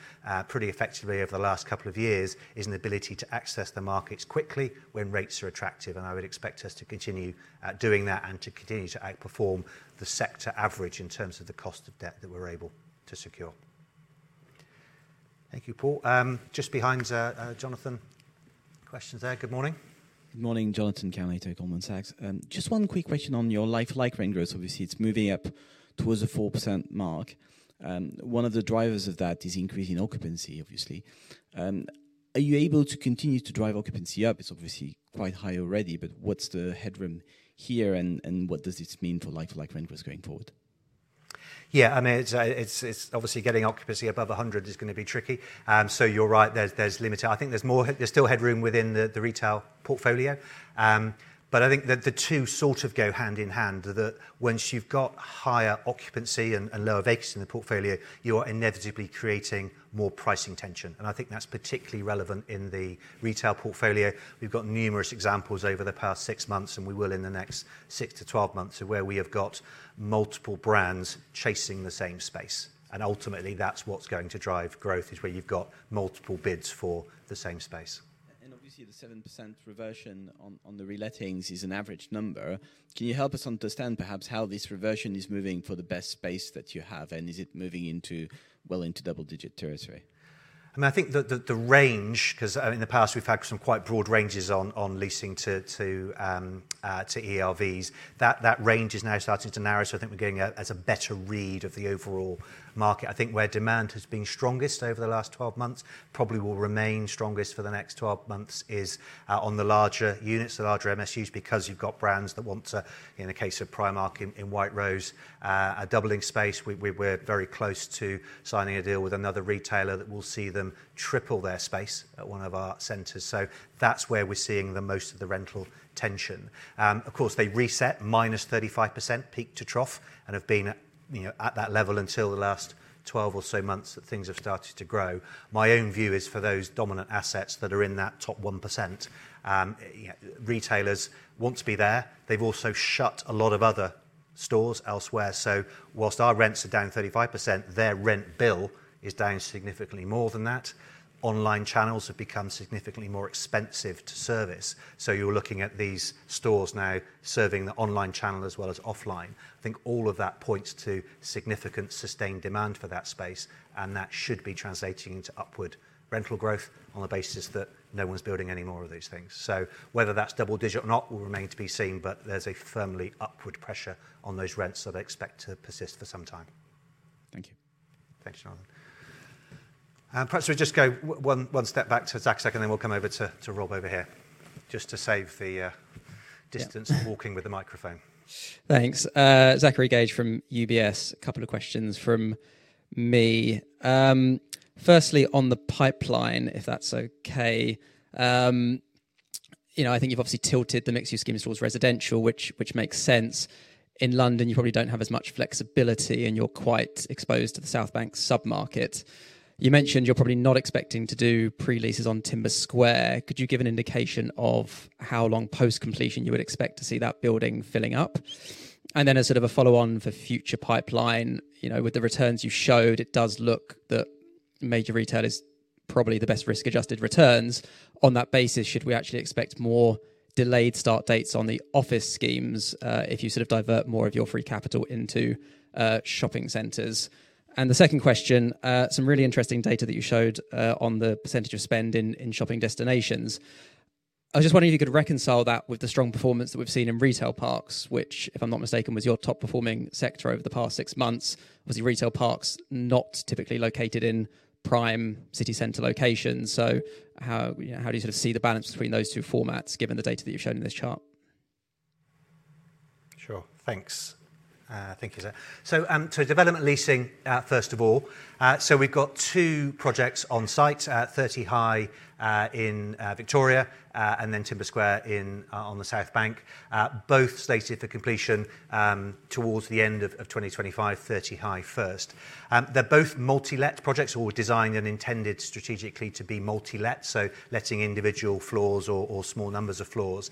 pretty effectively over the last couple of years is an ability to access the markets quickly when rates are attractive, and I would expect us to continue doing that and to continue to outperform the sector average in terms of the cost of debt that we're able to secure. Thank you, Paul. Just behind Jonathan, questions there. Good morning. Good morning, Jonathan Kelly at Goldman Sachs. Just one quick question on your like-for-like rental growth. Obviously, it's moving up towards a 4% mark. One of the drivers of that is increasing occupancy, obviously. Are you able to continue to drive occupancy up? It's obviously quite high already, but what's the headroom here and what does this mean for like-for-like range growth going forward? Yeah, I mean, it's obviously getting occupancy above 100% is going to be tricky. So you're right, there's limited. I think there's more, there's still headroom within the retail portfolio, but I think that the two sort of go hand in hand that once you've got higher occupancy and lower vacancy in the portfolio, you are inevitably creating more pricing tension. And I think that's particularly relevant in the retail portfolio. We've got numerous examples over the past six months and we will in the next six to 12 months where we have got multiple brands chasing the same space. And ultimately that's what's going to drive growth is where you've got multiple bids for the same space. Obviously the 7% reversion on the relettings is an average number. Can you help us understand perhaps how this reversion is moving for the best space that you have and is it moving into well into double-digit territory? I mean, I think that the range, because in the past we've had some quite broad ranges on leasing to ERVs, that range is now starting to narrow, so I think we're getting a better read of the overall market. I think where demand has been strongest over the last 12 months, probably will remain strongest for the next 12 months is on the larger units, the larger MSUs, because you've got brands that want to, in the case of Primark in White Rose, a doubling space. We're very close to signing a deal with another retailer that will see them triple their space at one of our centers. That's where we're seeing the most of the rental tension. Of course, they reset minus 35% peak to trough and have been at that level until the last 12 or so months that things have started to grow. My own view is for those dominant assets that are in that top 1%, retailers want to be there. They've also shut a lot of other stores elsewhere. So whilst our rents are down 35%, their rent bill is down significantly more than that. Online channels have become significantly more expensive to service. So you're looking at these stores now serving the online channel as well as offline. I think all of that points to significant sustained demand for that space, and that should be translating into upward rental growth on the basis that no one's building any more of those things. So whether that's double digit or not will remain to be seen, but there's a firmly upward pressure on those rents that I expect to persist for some time. Thank you. Thanks, Jonathan. Perhaps we'll just go one step back to Zach's second, then we'll come over to Rob over here just to save the distance and walking with the microphone. Thanks. Zachary Gauge from UBS, a couple of questions from me. Firstly, on the pipeline, if that's okay, I think you've obviously tilted the mixed-use scheme towards residential, which makes sense. In London, you probably don't have as much flexibility and you're quite exposed to the South Bank submarket. You mentioned you're probably not expecting to do pre-leases on Timber Square. Could you give an indication of how long post-completion you would expect to see that building filling up? And then, as sort of a follow-on for future pipeline, with the returns you showed, it does look that major retail is probably the best risk-adjusted returns. On that basis, should we actually expect more delayed start dates on the office schemes if you sort of divert more of your free capital into shopping centers? And the second question, some really interesting data that you showed on the percentage of spend in shopping destinations. I was just wondering if you could reconcile that with the strong performance that we've seen in retail parks, which, if I'm not mistaken, was your top performing sector over the past six months. Obviously, retail parks are not typically located in prime city center locations. So how do you sort of see the balance between those two formats given the data that you've shown in this chart? Sure. Thanks. Thank you, Zach. So to development leasing, first of all, so we've got two projects on site, 30 High in Victoria and then Timber Square on the South Bank, both slated for completion towards the end of 2025, 30 High first. They're both multi-let projects, or designed and intended strategically to be multi-let, so letting individual floors or small numbers of floors.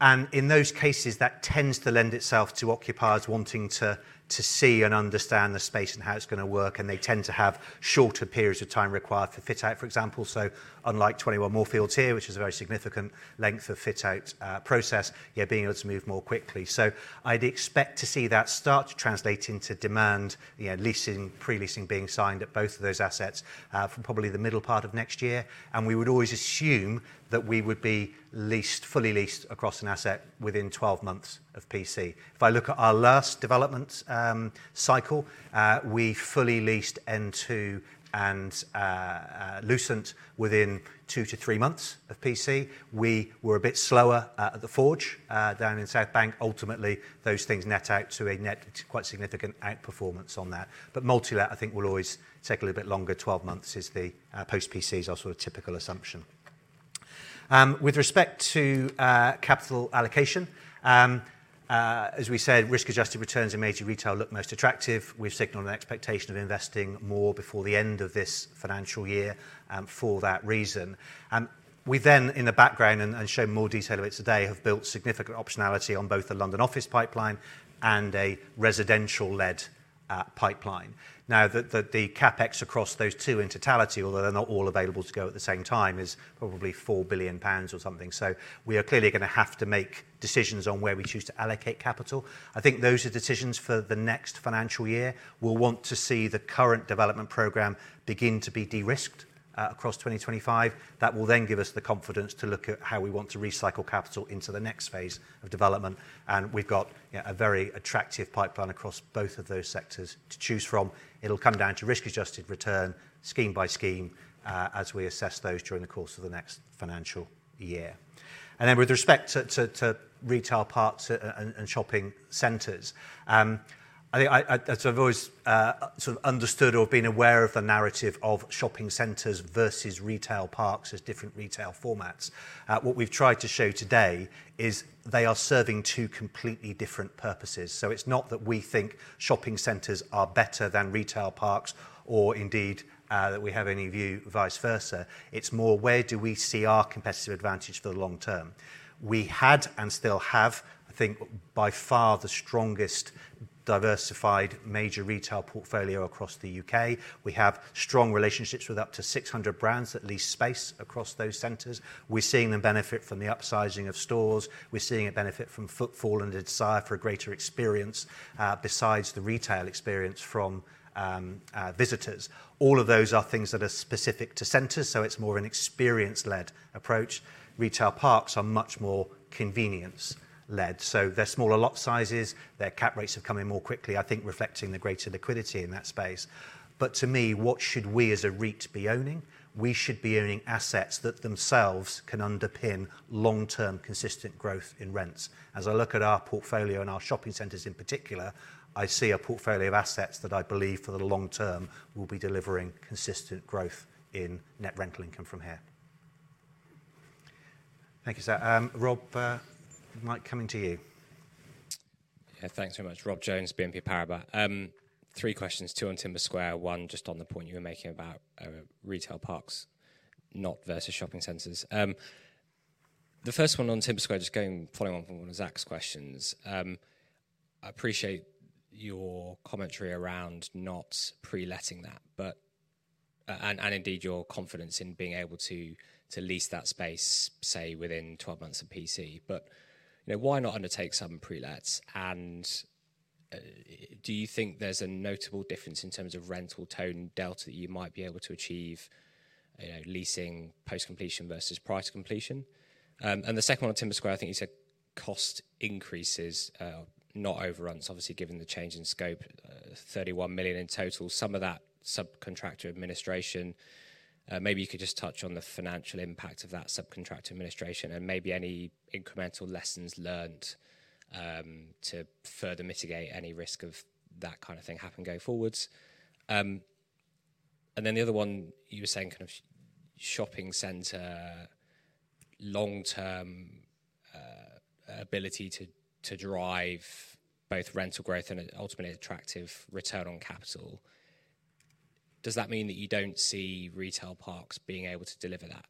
And in those cases, that tends to lend itself to occupiers wanting to see and understand the space and how it's going to work, and they tend to have shorter periods of time required for fit-out, for example. So unlike 21 Moorfields here, which is a very significant length of fit-out process, you're being able to move more quickly. So I'd expect to see that start to translate into demand, leasing, pre-leasing being signed at both of those assets for probably the middle part of next year. And we would always assume that we would be leased, fully leased across an asset within 12 months of PC. If I look at our last development cycle, we fully leased n2 and Lucent within two to three months of PC. We were a bit slower at The Forge down in South Bank. Ultimately, those things net out to a net, quite significant outperformance on that. But multi-let, I think will always take a little bit longer. 12 months is the post-PC, our sort of typical assumption. With respect to capital allocation, as we said, risk-adjusted returns in major retail look most attractive. We've signalled an expectation of investing more before the end of this financial year for that reason. We then, in the background and show more detail of it today, have built significant optionality on both the London office pipeline and a residential-led pipeline. Now, the CapEx across those two in totality, although they're not all available to go at the same time, is probably 4 billion pounds or something. So we are clearly going to have to make decisions on where we choose to allocate capital. I think those are decisions for the next financial year. We'll want to see the current development programme begin to be de-risked across 2025. That will then give us the confidence to look at how we want to recycle capital into the next phase of development. And we've got a very attractive pipeline across both of those sectors to choose from. It'll come down to risk-adjusted return scheme by scheme as we assess those during the course of the next financial year. And then with respect to retail parks and shopping centers, I think as I've always sort of understood or been aware of the narrative of shopping centers versus retail parks as different retail formats, what we've tried to show today is they are serving two completely different purposes. So it's not that we think shopping centers are better than retail parks or indeed that we have any view vice versa. It's more where do we see our competitive advantage for the long term. We had and still have, I think, by far the strongest diversified major retail portfolio across the U.K. We have strong relationships with up to 600 brands that lease space across those centers. We're seeing them benefit from the upsizing of stores. We're seeing it benefit from footfall and a desire for a greater experience besides the retail experience from visitors. All of those are things that are specific to centers, so it's more of an experience-led approach. Retail parks are much more convenience-led. So they're smaller lot sizes, their cap rates have come in more quickly, I think reflecting the greater liquidity in that space. But to me, what should we as a REIT be owning? We should be owning assets that themselves can underpin long-term consistent growth in rents. As I look at our portfolio and our shopping centers in particular, I see a portfolio of assets that I believe for the long term will be delivering consistent growth in net rental income from here. Thank you, Zach. Rob, you might be coming to you. Yeah, thanks very much. Rob Jones, BNP Paribas. Three questions, two on Timber Square, one just on the point you were making about retail parks, not versus shopping centers. The first one on Timber Square, just going following on from one of Zach's questions. I appreciate your commentary around not pre-letting that, and indeed your confidence in being able to lease that space, say, within 12 months of PC. But why not undertake some pre-lets? And do you think there's a notable difference in terms of rental tone delta that you might be able to achieve leasing post-completion versus prior to completion? And the second one on Timber Square, I think you said cost increases, not overruns, obviously given the change in scope, 31 million in total, some of that subcontractor administration. Maybe you could just touch on the financial impact of that subcontractor administration and maybe any incremental lessons learned to further mitigate any risk of that kind of thing happening going forwards. And then the other one you were saying kind of shopping center long-term ability to drive both rental growth and ultimately attractive return on capital. Does that mean that you don't see retail parks being able to deliver that?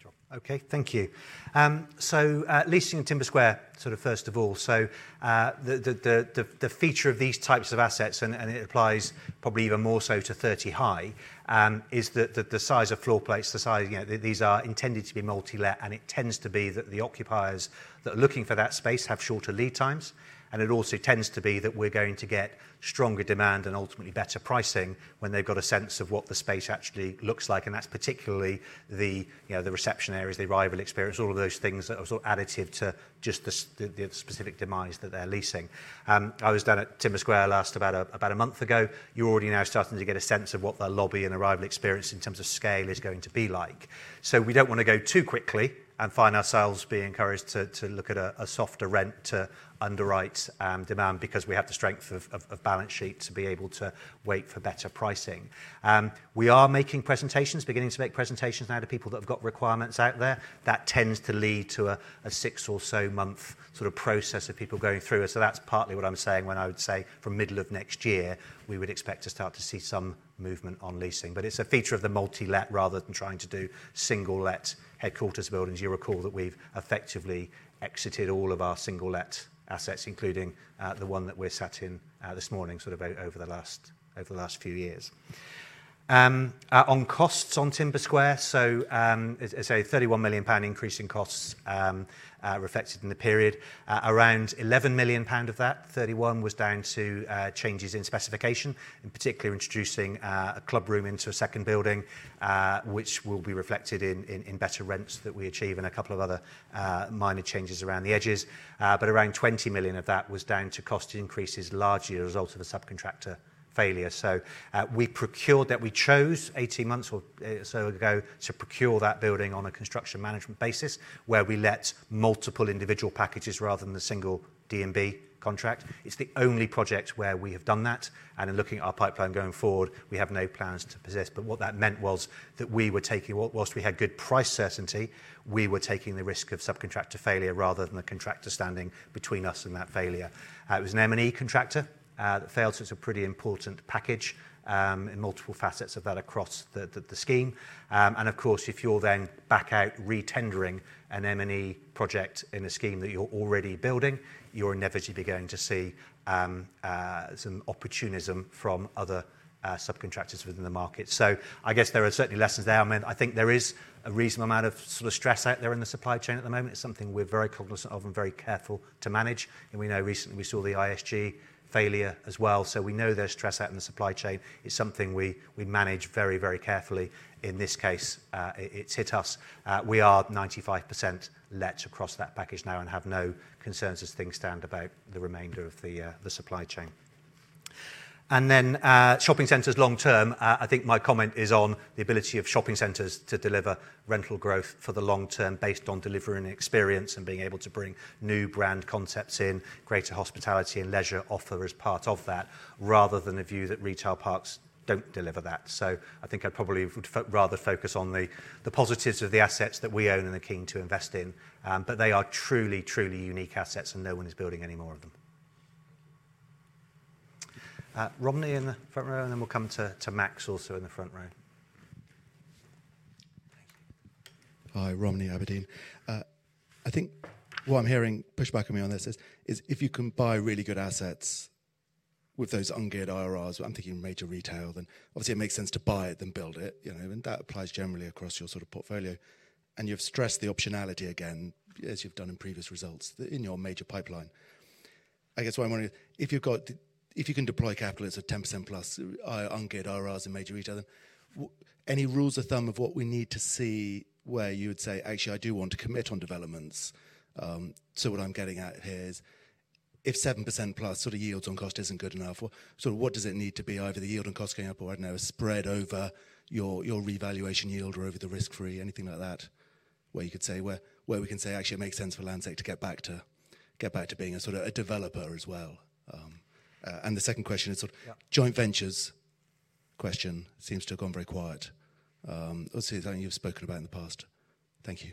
Sure. Okay, thank you. So leasing in Timber Square, sort of first of all, so the feature of these types of assets, and it applies probably even more so to 30 High, is that the size of floor plates, the size. These are intended to be multi-let, and it tends to be that the occupiers that are looking for that space have shorter lead times. And it also tends to be that we're going to get stronger demand and ultimately better pricing when they've got a sense of what the space actually looks like. That's particularly the reception areas, the arrival experience, all of those things that are sort of additive to just the specific demise that they're leasing. I was down at Timber Square last, about a month ago. You're already now starting to get a sense of what the lobby and arrival experience in terms of scale is going to be like. We don't want to go too quickly and find ourselves being encouraged to look at a softer rent to underwrite demand because we have the strength of balance sheet to be able to wait for better pricing. We are making presentations, beginning to make presentations now to people that have got requirements out there. That tends to lead to a six or so month sort of process of people going through it. So that's partly what I'm saying when I would say from middle of next year, we would expect to start to see some movement on leasing. But it's a feature of the multi-let rather than trying to do single-let headquarters buildings. You recall that we've effectively exited all of our single-let assets, including the one that we're sat in this morning, sort of over the last few years. On costs on Timber Square, so 31 million pound increase in costs reflected in the period. Around 11 million pound of that 31 was down to changes in specification, in particular introducing a club room into a second building, which will be reflected in better rents that we achieve and a couple of other minor changes around the edges. But around 20 million of that was down to cost increases largely a result of a subcontractor failure. So we procured that, we chose 18 months or so ago to procure that building on a construction management basis where we let multiple individual packages rather than the single D&B contract. It's the only project where we have done that. And in looking at our pipeline going forward, we have no plans to procure. But what that meant was that we were taking, whilst we had good price certainty, we were taking the risk of subcontractor failure rather than the contractor standing between us and that failure. It was an M&E contractor that failed. So it's a pretty important package in multiple facets of that across the scheme. And of course, if you're then back out retendering an M&E project in a scheme that you're already building, you're inevitably going to see some opportunism from other subcontractors within the market. So I guess there are certainly lessons there. I mean, I think there is a reasonable amount of sort of stress out there in the supply chain at the moment. It's something we're very cognizant of and very careful to manage, and we know recently we saw the ISG failure as well. So we know there's stress out in the supply chain. It's something we manage very, very carefully. In this case, it's hit us. We are 95% let across that package now and have no concerns as things stand about the remainder of the supply chain. And then shopping centers long term, I think my comment is on the ability of shopping centers to deliver rental growth for the long term based on delivering experience and being able to bring new brand concepts in, greater hospitality and leisure offer as part of that, rather than a view that retail parks don't deliver that. So I think I'd probably rather focus on the positives of the assets that we own and are keen to invest in. But they are truly, truly unique assets and no one is building any more of them. Thank you. Romney in the front row, and then we'll come to Max also in the front row. Hi, Romney, Aberdeen. I think what I'm hearing pushback on me on this is if you can buy really good assets with those ungeared IRRs, I'm thinking major retail, then obviously it makes sense to buy it, then build it. And that applies generally across your sort of portfolio. And you've stressed the optionality again, as you've done in previous results in your major pipeline. I guess what I'm wondering is if you can deploy capital that's a 10% plus ungeared IRRs in major retail, then any rules of thumb of what we need to see where you would say, actually, I do want to commit on developments. So what I'm getting at here is if 7% plus sort of yields on cost isn't good enough, sort of what does it need to be either the yield on cost going up or I don't know, a spread over your revaluation yield or over the risk-free, anything like that, where you could say where we can say, actually, it makes sense for Landsec to get back to being a sort of a developer as well. And the second question is sort of joint ventures question seems to have gone very quiet. Let's see, something you've spoken about in the past. Thank you.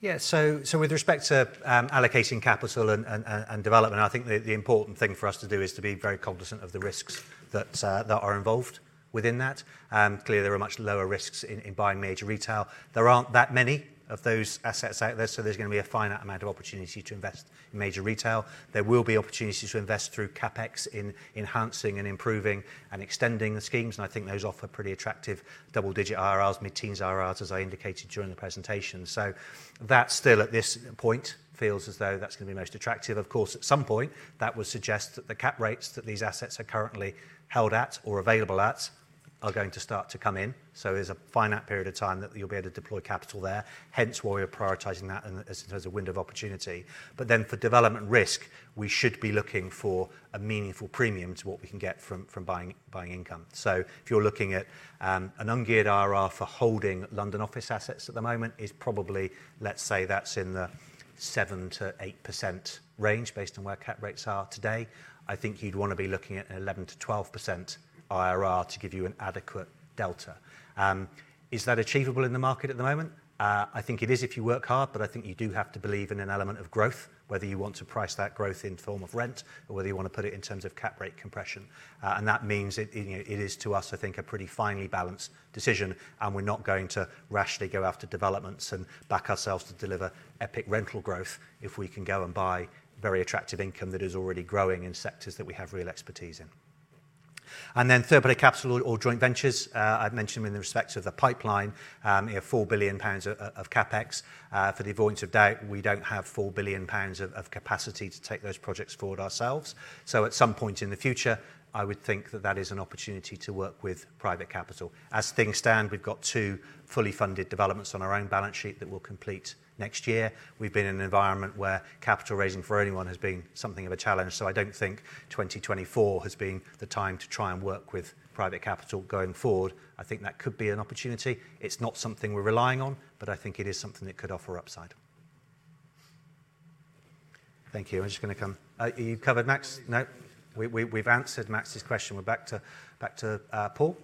Yeah, so with respect to allocating capital and development, I think the important thing for us to do is to be very cognizant of the risks that are involved within that. Clearly, there are much lower risks in buying major retail. There aren't that many of those assets out there, so there's going to be a finite amount of opportunity to invest in major retail. There will be opportunities to invest through CapEx in enhancing and improving and extending the schemes. And I think those offer pretty attractive double-digit IRRs, mid-teens IRRs, as I indicated during the presentation. So that still at this point feels as though that's going to be most attractive. Of course, at some point, that would suggest that the cap rates that these assets are currently held at or available at are going to start to come in. So there's a finite period of time that you'll be able to deploy capital there. Hence, why we're prioritising that as a window of opportunity. But then for development risk, we should be looking for a meaningful premium to what we can get from buying income. So if you're looking at an ungeared IRR for holding London office assets at the moment, it's probably, let's say that's in the 7%-8% range based on where cap rates are today. I think you'd want to be looking at an 11%-12% IRR to give you an adequate delta. Is that achievable in the market at the moment? I think it is if you work hard, but I think you do have to believe in an element of growth, whether you want to price that growth in form of rent or whether you want to put it in terms of cap rate compression. And that means it is to us, I think, a pretty finely balanced decision. And we're not going to rashly go after developments and back ourselves to deliver epic rental growth if we can go and buy very attractive income that is already growing in sectors that we have real expertise in. And then third-party capital or joint ventures, I've mentioned in respect of the pipeline, you have 4 billion pounds of CapEx. For the avoidance of doubt, we don't have 4 billion pounds of capacity to take those projects forward ourselves. So at some point in the future, I would think that that is an opportunity to work with private capital. As things stand, we've got two fully funded developments on our own balance sheet that will complete next year. We've been in an environment where capital raising for anyone has been something of a challenge. So I don't think 2024 has been the time to try and work with private capital going forward. I think that could be an opportunity. It's not something we're relying on, but I think it is something that could offer upside. Thank you. I'm just going to come. You covered Max? No. We've answered Max's question. We're back to Paul.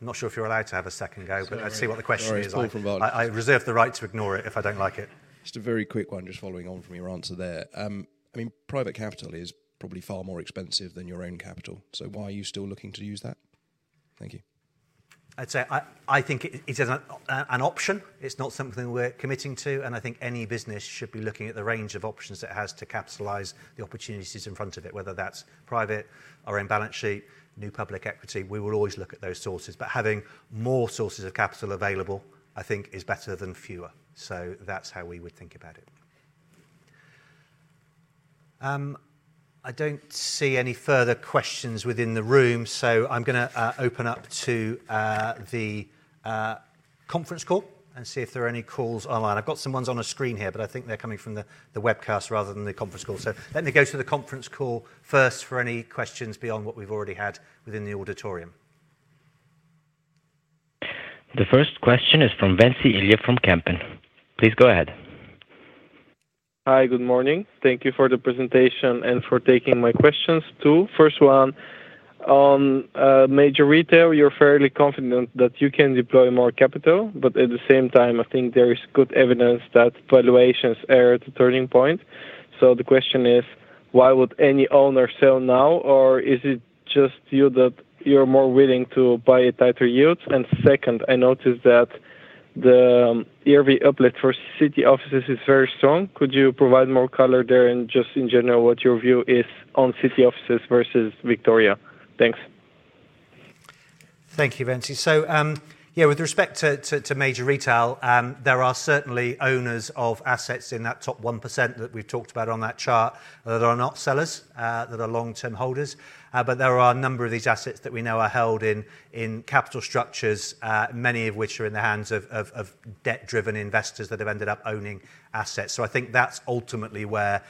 I'm not sure if you're allowed to have a second go, but let's see what the question is. I reserve the right to ignore it if I don't like it. Just a very quick one, just following on from your answer there. I mean, private capital is probably far more expensive than your own capital. So why are you still looking to use that? Thank you. I'd say I think it's an option. It's not something we're committing to. And I think any business should be looking at the range of options that it has to capitalize the opportunities in front of it, whether that's private or in balance sheet, new public equity. We will always look at those sources. But having more sources of capital available, I think, is better than fewer. So that's how we would think about it. I don't see any further questions within the room. So I'm going to open up to the conference call and see if there are any calls online. I've got some ones on a screen here, but I think they're coming from the webcast rather than the conference call, so let me go to the conference call first for any questions beyond what we've already had within the auditorium. The first question is from Ventsi Iliev from Kempen. Please go ahead. Hi, good morning. Thank you for the presentation and for taking my questions. Two. First one on major retail, you're fairly confident that you can deploy more capital. But at the same time, I think there is good evidence that valuations are at a turning point. So the question is, why would any owner sell now? Or is it just you that you're more willing to buy a tighter yield? And second, I noticed that the ERV uplift for city offices is very strong. Could you provide more color there and just in general what your view is on city offices versus Victoria? Thanks. Thank you, Venci. So yeah, with respect to major retail, there are certainly owners of assets in that top 1% that we've talked about on that chart that are not sellers, that are long-term holders. But there are a number of these assets that we know are held in capital structures, many of which are in the hands of debt-driven investors that have ended up owning assets. So I think that's ultimately where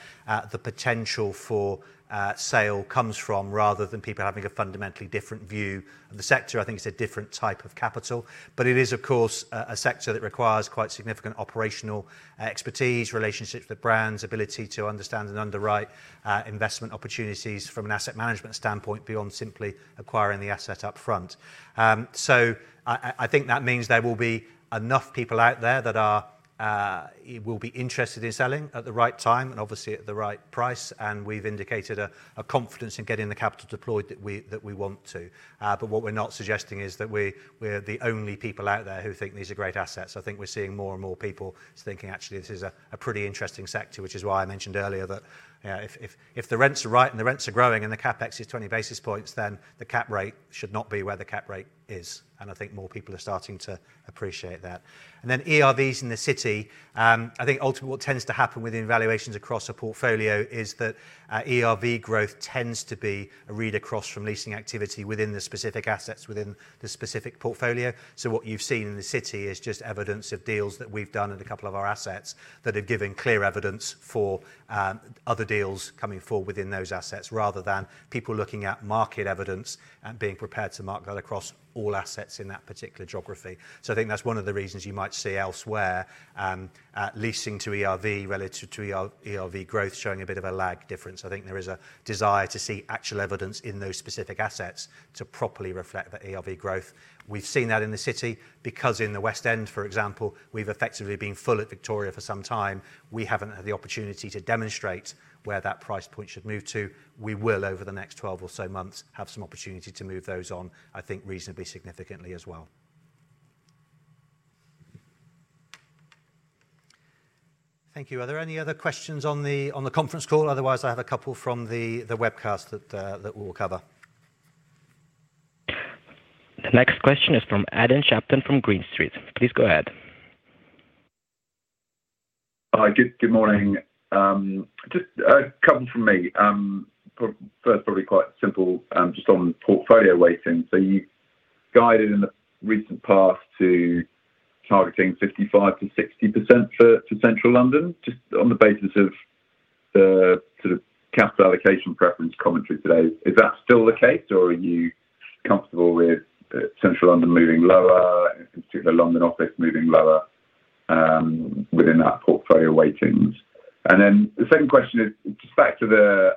the potential for sale comes from, rather than people having a fundamentally different view of the sector. I think it's a different type of capital. But it is, of course, a sector that requires quite significant operational expertise, relationships with brands, ability to understand and underwrite investment opportunities from an asset management standpoint beyond simply acquiring the asset upfront. So I think that means there will be enough people out there that will be interested in selling at the right time and obviously at the right price. And we've indicated a confidence in getting the capital deployed that we want to. But what we're not suggesting is that we're the only people out there who think these are great assets. I think we're seeing more and more people thinking, actually, this is a pretty interesting sector, which is why I mentioned earlier that if the rents are right and the rents are growing and the CapEx is 20 basis points, then the cap rate should not be where the cap rate is. And I think more people are starting to appreciate that. And then ERVs in the city, I think ultimately what tends to happen within valuations across a portfolio is that ERV growth tends to be a read across from leasing activity within the specific assets within the specific portfolio. So what you've seen in the city is just evidence of deals that we've done in a couple of our assets that have given clear evidence for other deals coming forward within those assets, rather than people looking at market evidence and being prepared to market that across all assets in that particular geography. So I think that's one of the reasons you might see elsewhere leasing to ERV relative to ERV growth showing a bit of a lag difference. I think there is a desire to see actual evidence in those specific assets to properly reflect that ERV growth. We've seen that in the city because in the West End, for example, we've effectively been full at Victoria for some time. We haven't had the opportunity to demonstrate where that price point should move to. We will, over the next 12 or so months, have some opportunity to move those on, I think, reasonably significantly as well. Thank you. Are there any other questions on the conference call? Otherwise, I have a couple from the webcast that we'll cover. The next question is from Adam Shapton from Green Street. Please go ahead. Good morning. Just a couple from me. First, probably quite simple, just on portfolio weighting. So you guided in the recent past to targeting 55%-60% for Central London, just on the basis of the sort of capital allocation preference commentary today. Is that still the case, or are you comfortable with Central London moving lower, in particular London office moving lower within that portfolio weightings? And then the second question is just back to the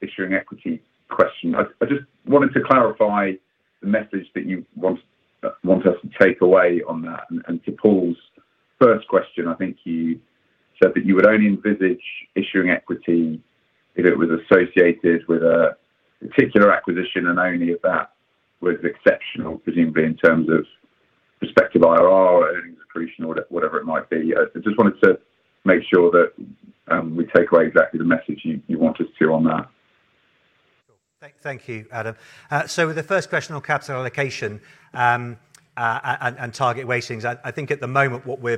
issuing equity question. I just wanted to clarify the message that you want us to take away on that and to Paul's first question. I think you said that you would only envisage issuing equity if it was associated with a particular acquisition and only if that was exceptional, presumably in terms of respective IRR or earnings accretion, whatever it might be. I just wanted to make sure that we take away exactly the message you want us to on that. Thank you, Adam. So with the first question on capital allocation and target weightings, I think at the moment what we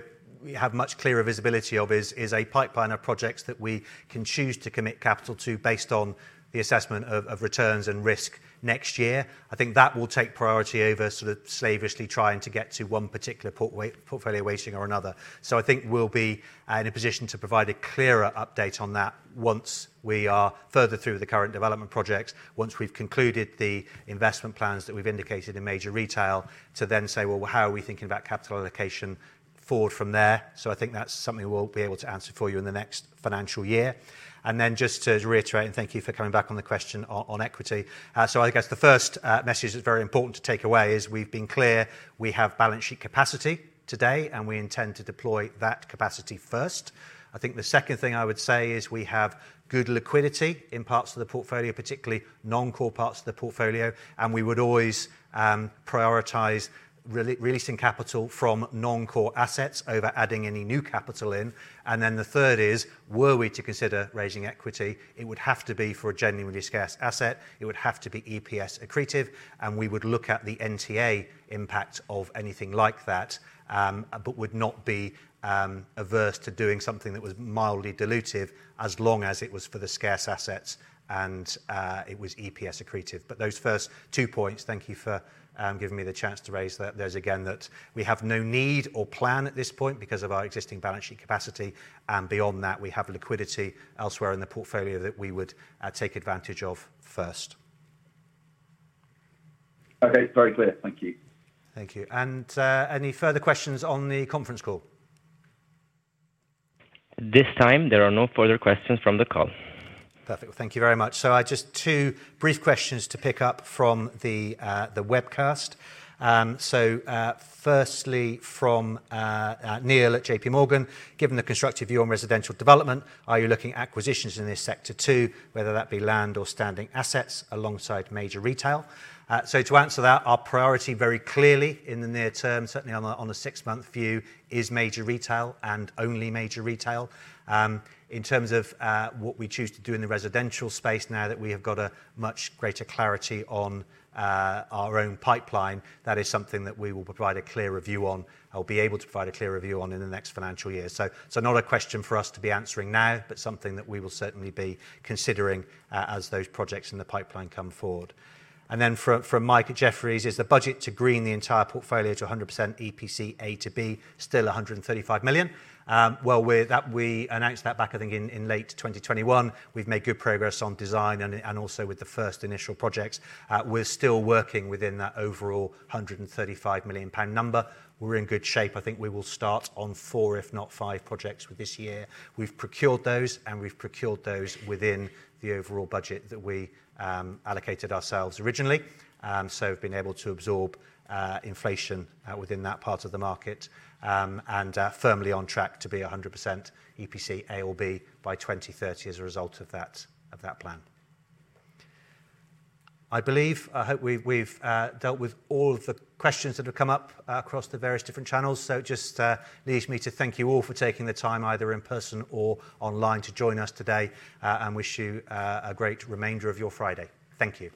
have much clearer visibility of is a pipeline of projects that we can choose to commit capital to based on the assessment of returns and risk next year. I think that will take priority over sort of slavishly trying to get to one particular portfolio weighting or another. So I think we'll be in a position to provide a clearer update on that once we are further through with the current development projects, once we've concluded the investment plans that we've indicated in major retail, to then say, well, how are we thinking about capital allocation forward from there? So I think that's something we'll be able to answer for you in the next financial year. And then just to reiterate, and thank you for coming back on the question on equity. So I think that's the first message that's very important to take away is we've been clear. We have balance sheet capacity today, and we intend to deploy that capacity first. I think the second thing I would say is we have good liquidity in parts of the portfolio, particularly non-core parts of the portfolio. And we would always prioritize releasing capital from non-core assets over adding any new capital in. And then the third is, were we to consider raising equity, it would have to be for a genuinely scarce asset. It would have to be EPS accretive. And we would look at the NTA impact of anything like that, but would not be averse to doing something that was mildly dilutive as long as it was for the scarce assets and it was EPS accretive. But those first two points, thank you for giving me the chance to raise those again, that we have no need or plan at this point because of our existing balance sheet capacity. And beyond that, we have liquidity elsewhere in the portfolio that we would take advantage of first. Okay, very clear. Thank you. Thank you. And any further questions on the conference call? This time, there are no further questions from the call. Perfect. Well, thank you very much. So I just two brief questions to pick up from the webcast. So firstly, from Neil at JPMorgan, given the constructive view on residential development, are you looking at acquisitions in this sector too, whether that be land or standing assets alongside major retail? So to answer that, our priority very clearly in the near term, certainly on the six-month view, is major retail and only major retail. In terms of what we choose to do in the residential space, now that we have got a much greater clarity on our own pipeline, that is something that we will provide a clear review on. I'll be able to provide a clear review on in the next financial year. So not a question for us to be answering now, but something that we will certainly be considering as those projects in the pipeline come forward. And then from Mike at Jefferies, is the budget to green the entire portfolio to 100% EPC A to B still 135 million? Well, we announced that back, I think, in late 2021. We've made good progress on design and also with the first initial projects. We're still working within that overall GPB 135 million number. We're in good shape. I think we will start on four, if not five projects with this year. We've procured those, and we've procured those within the overall budget that we allocated ourselves originally. So we've been able to absorb inflation within that part of the market and firmly on track to be 100% EPC A or B by 2030 as a result of that plan. I believe, I hope we've dealt with all of the questions that have come up across the various different channels. So it just leaves me to thank you all for taking the time either in person or online to join us today and wish you a great remainder of your Friday. Thank you.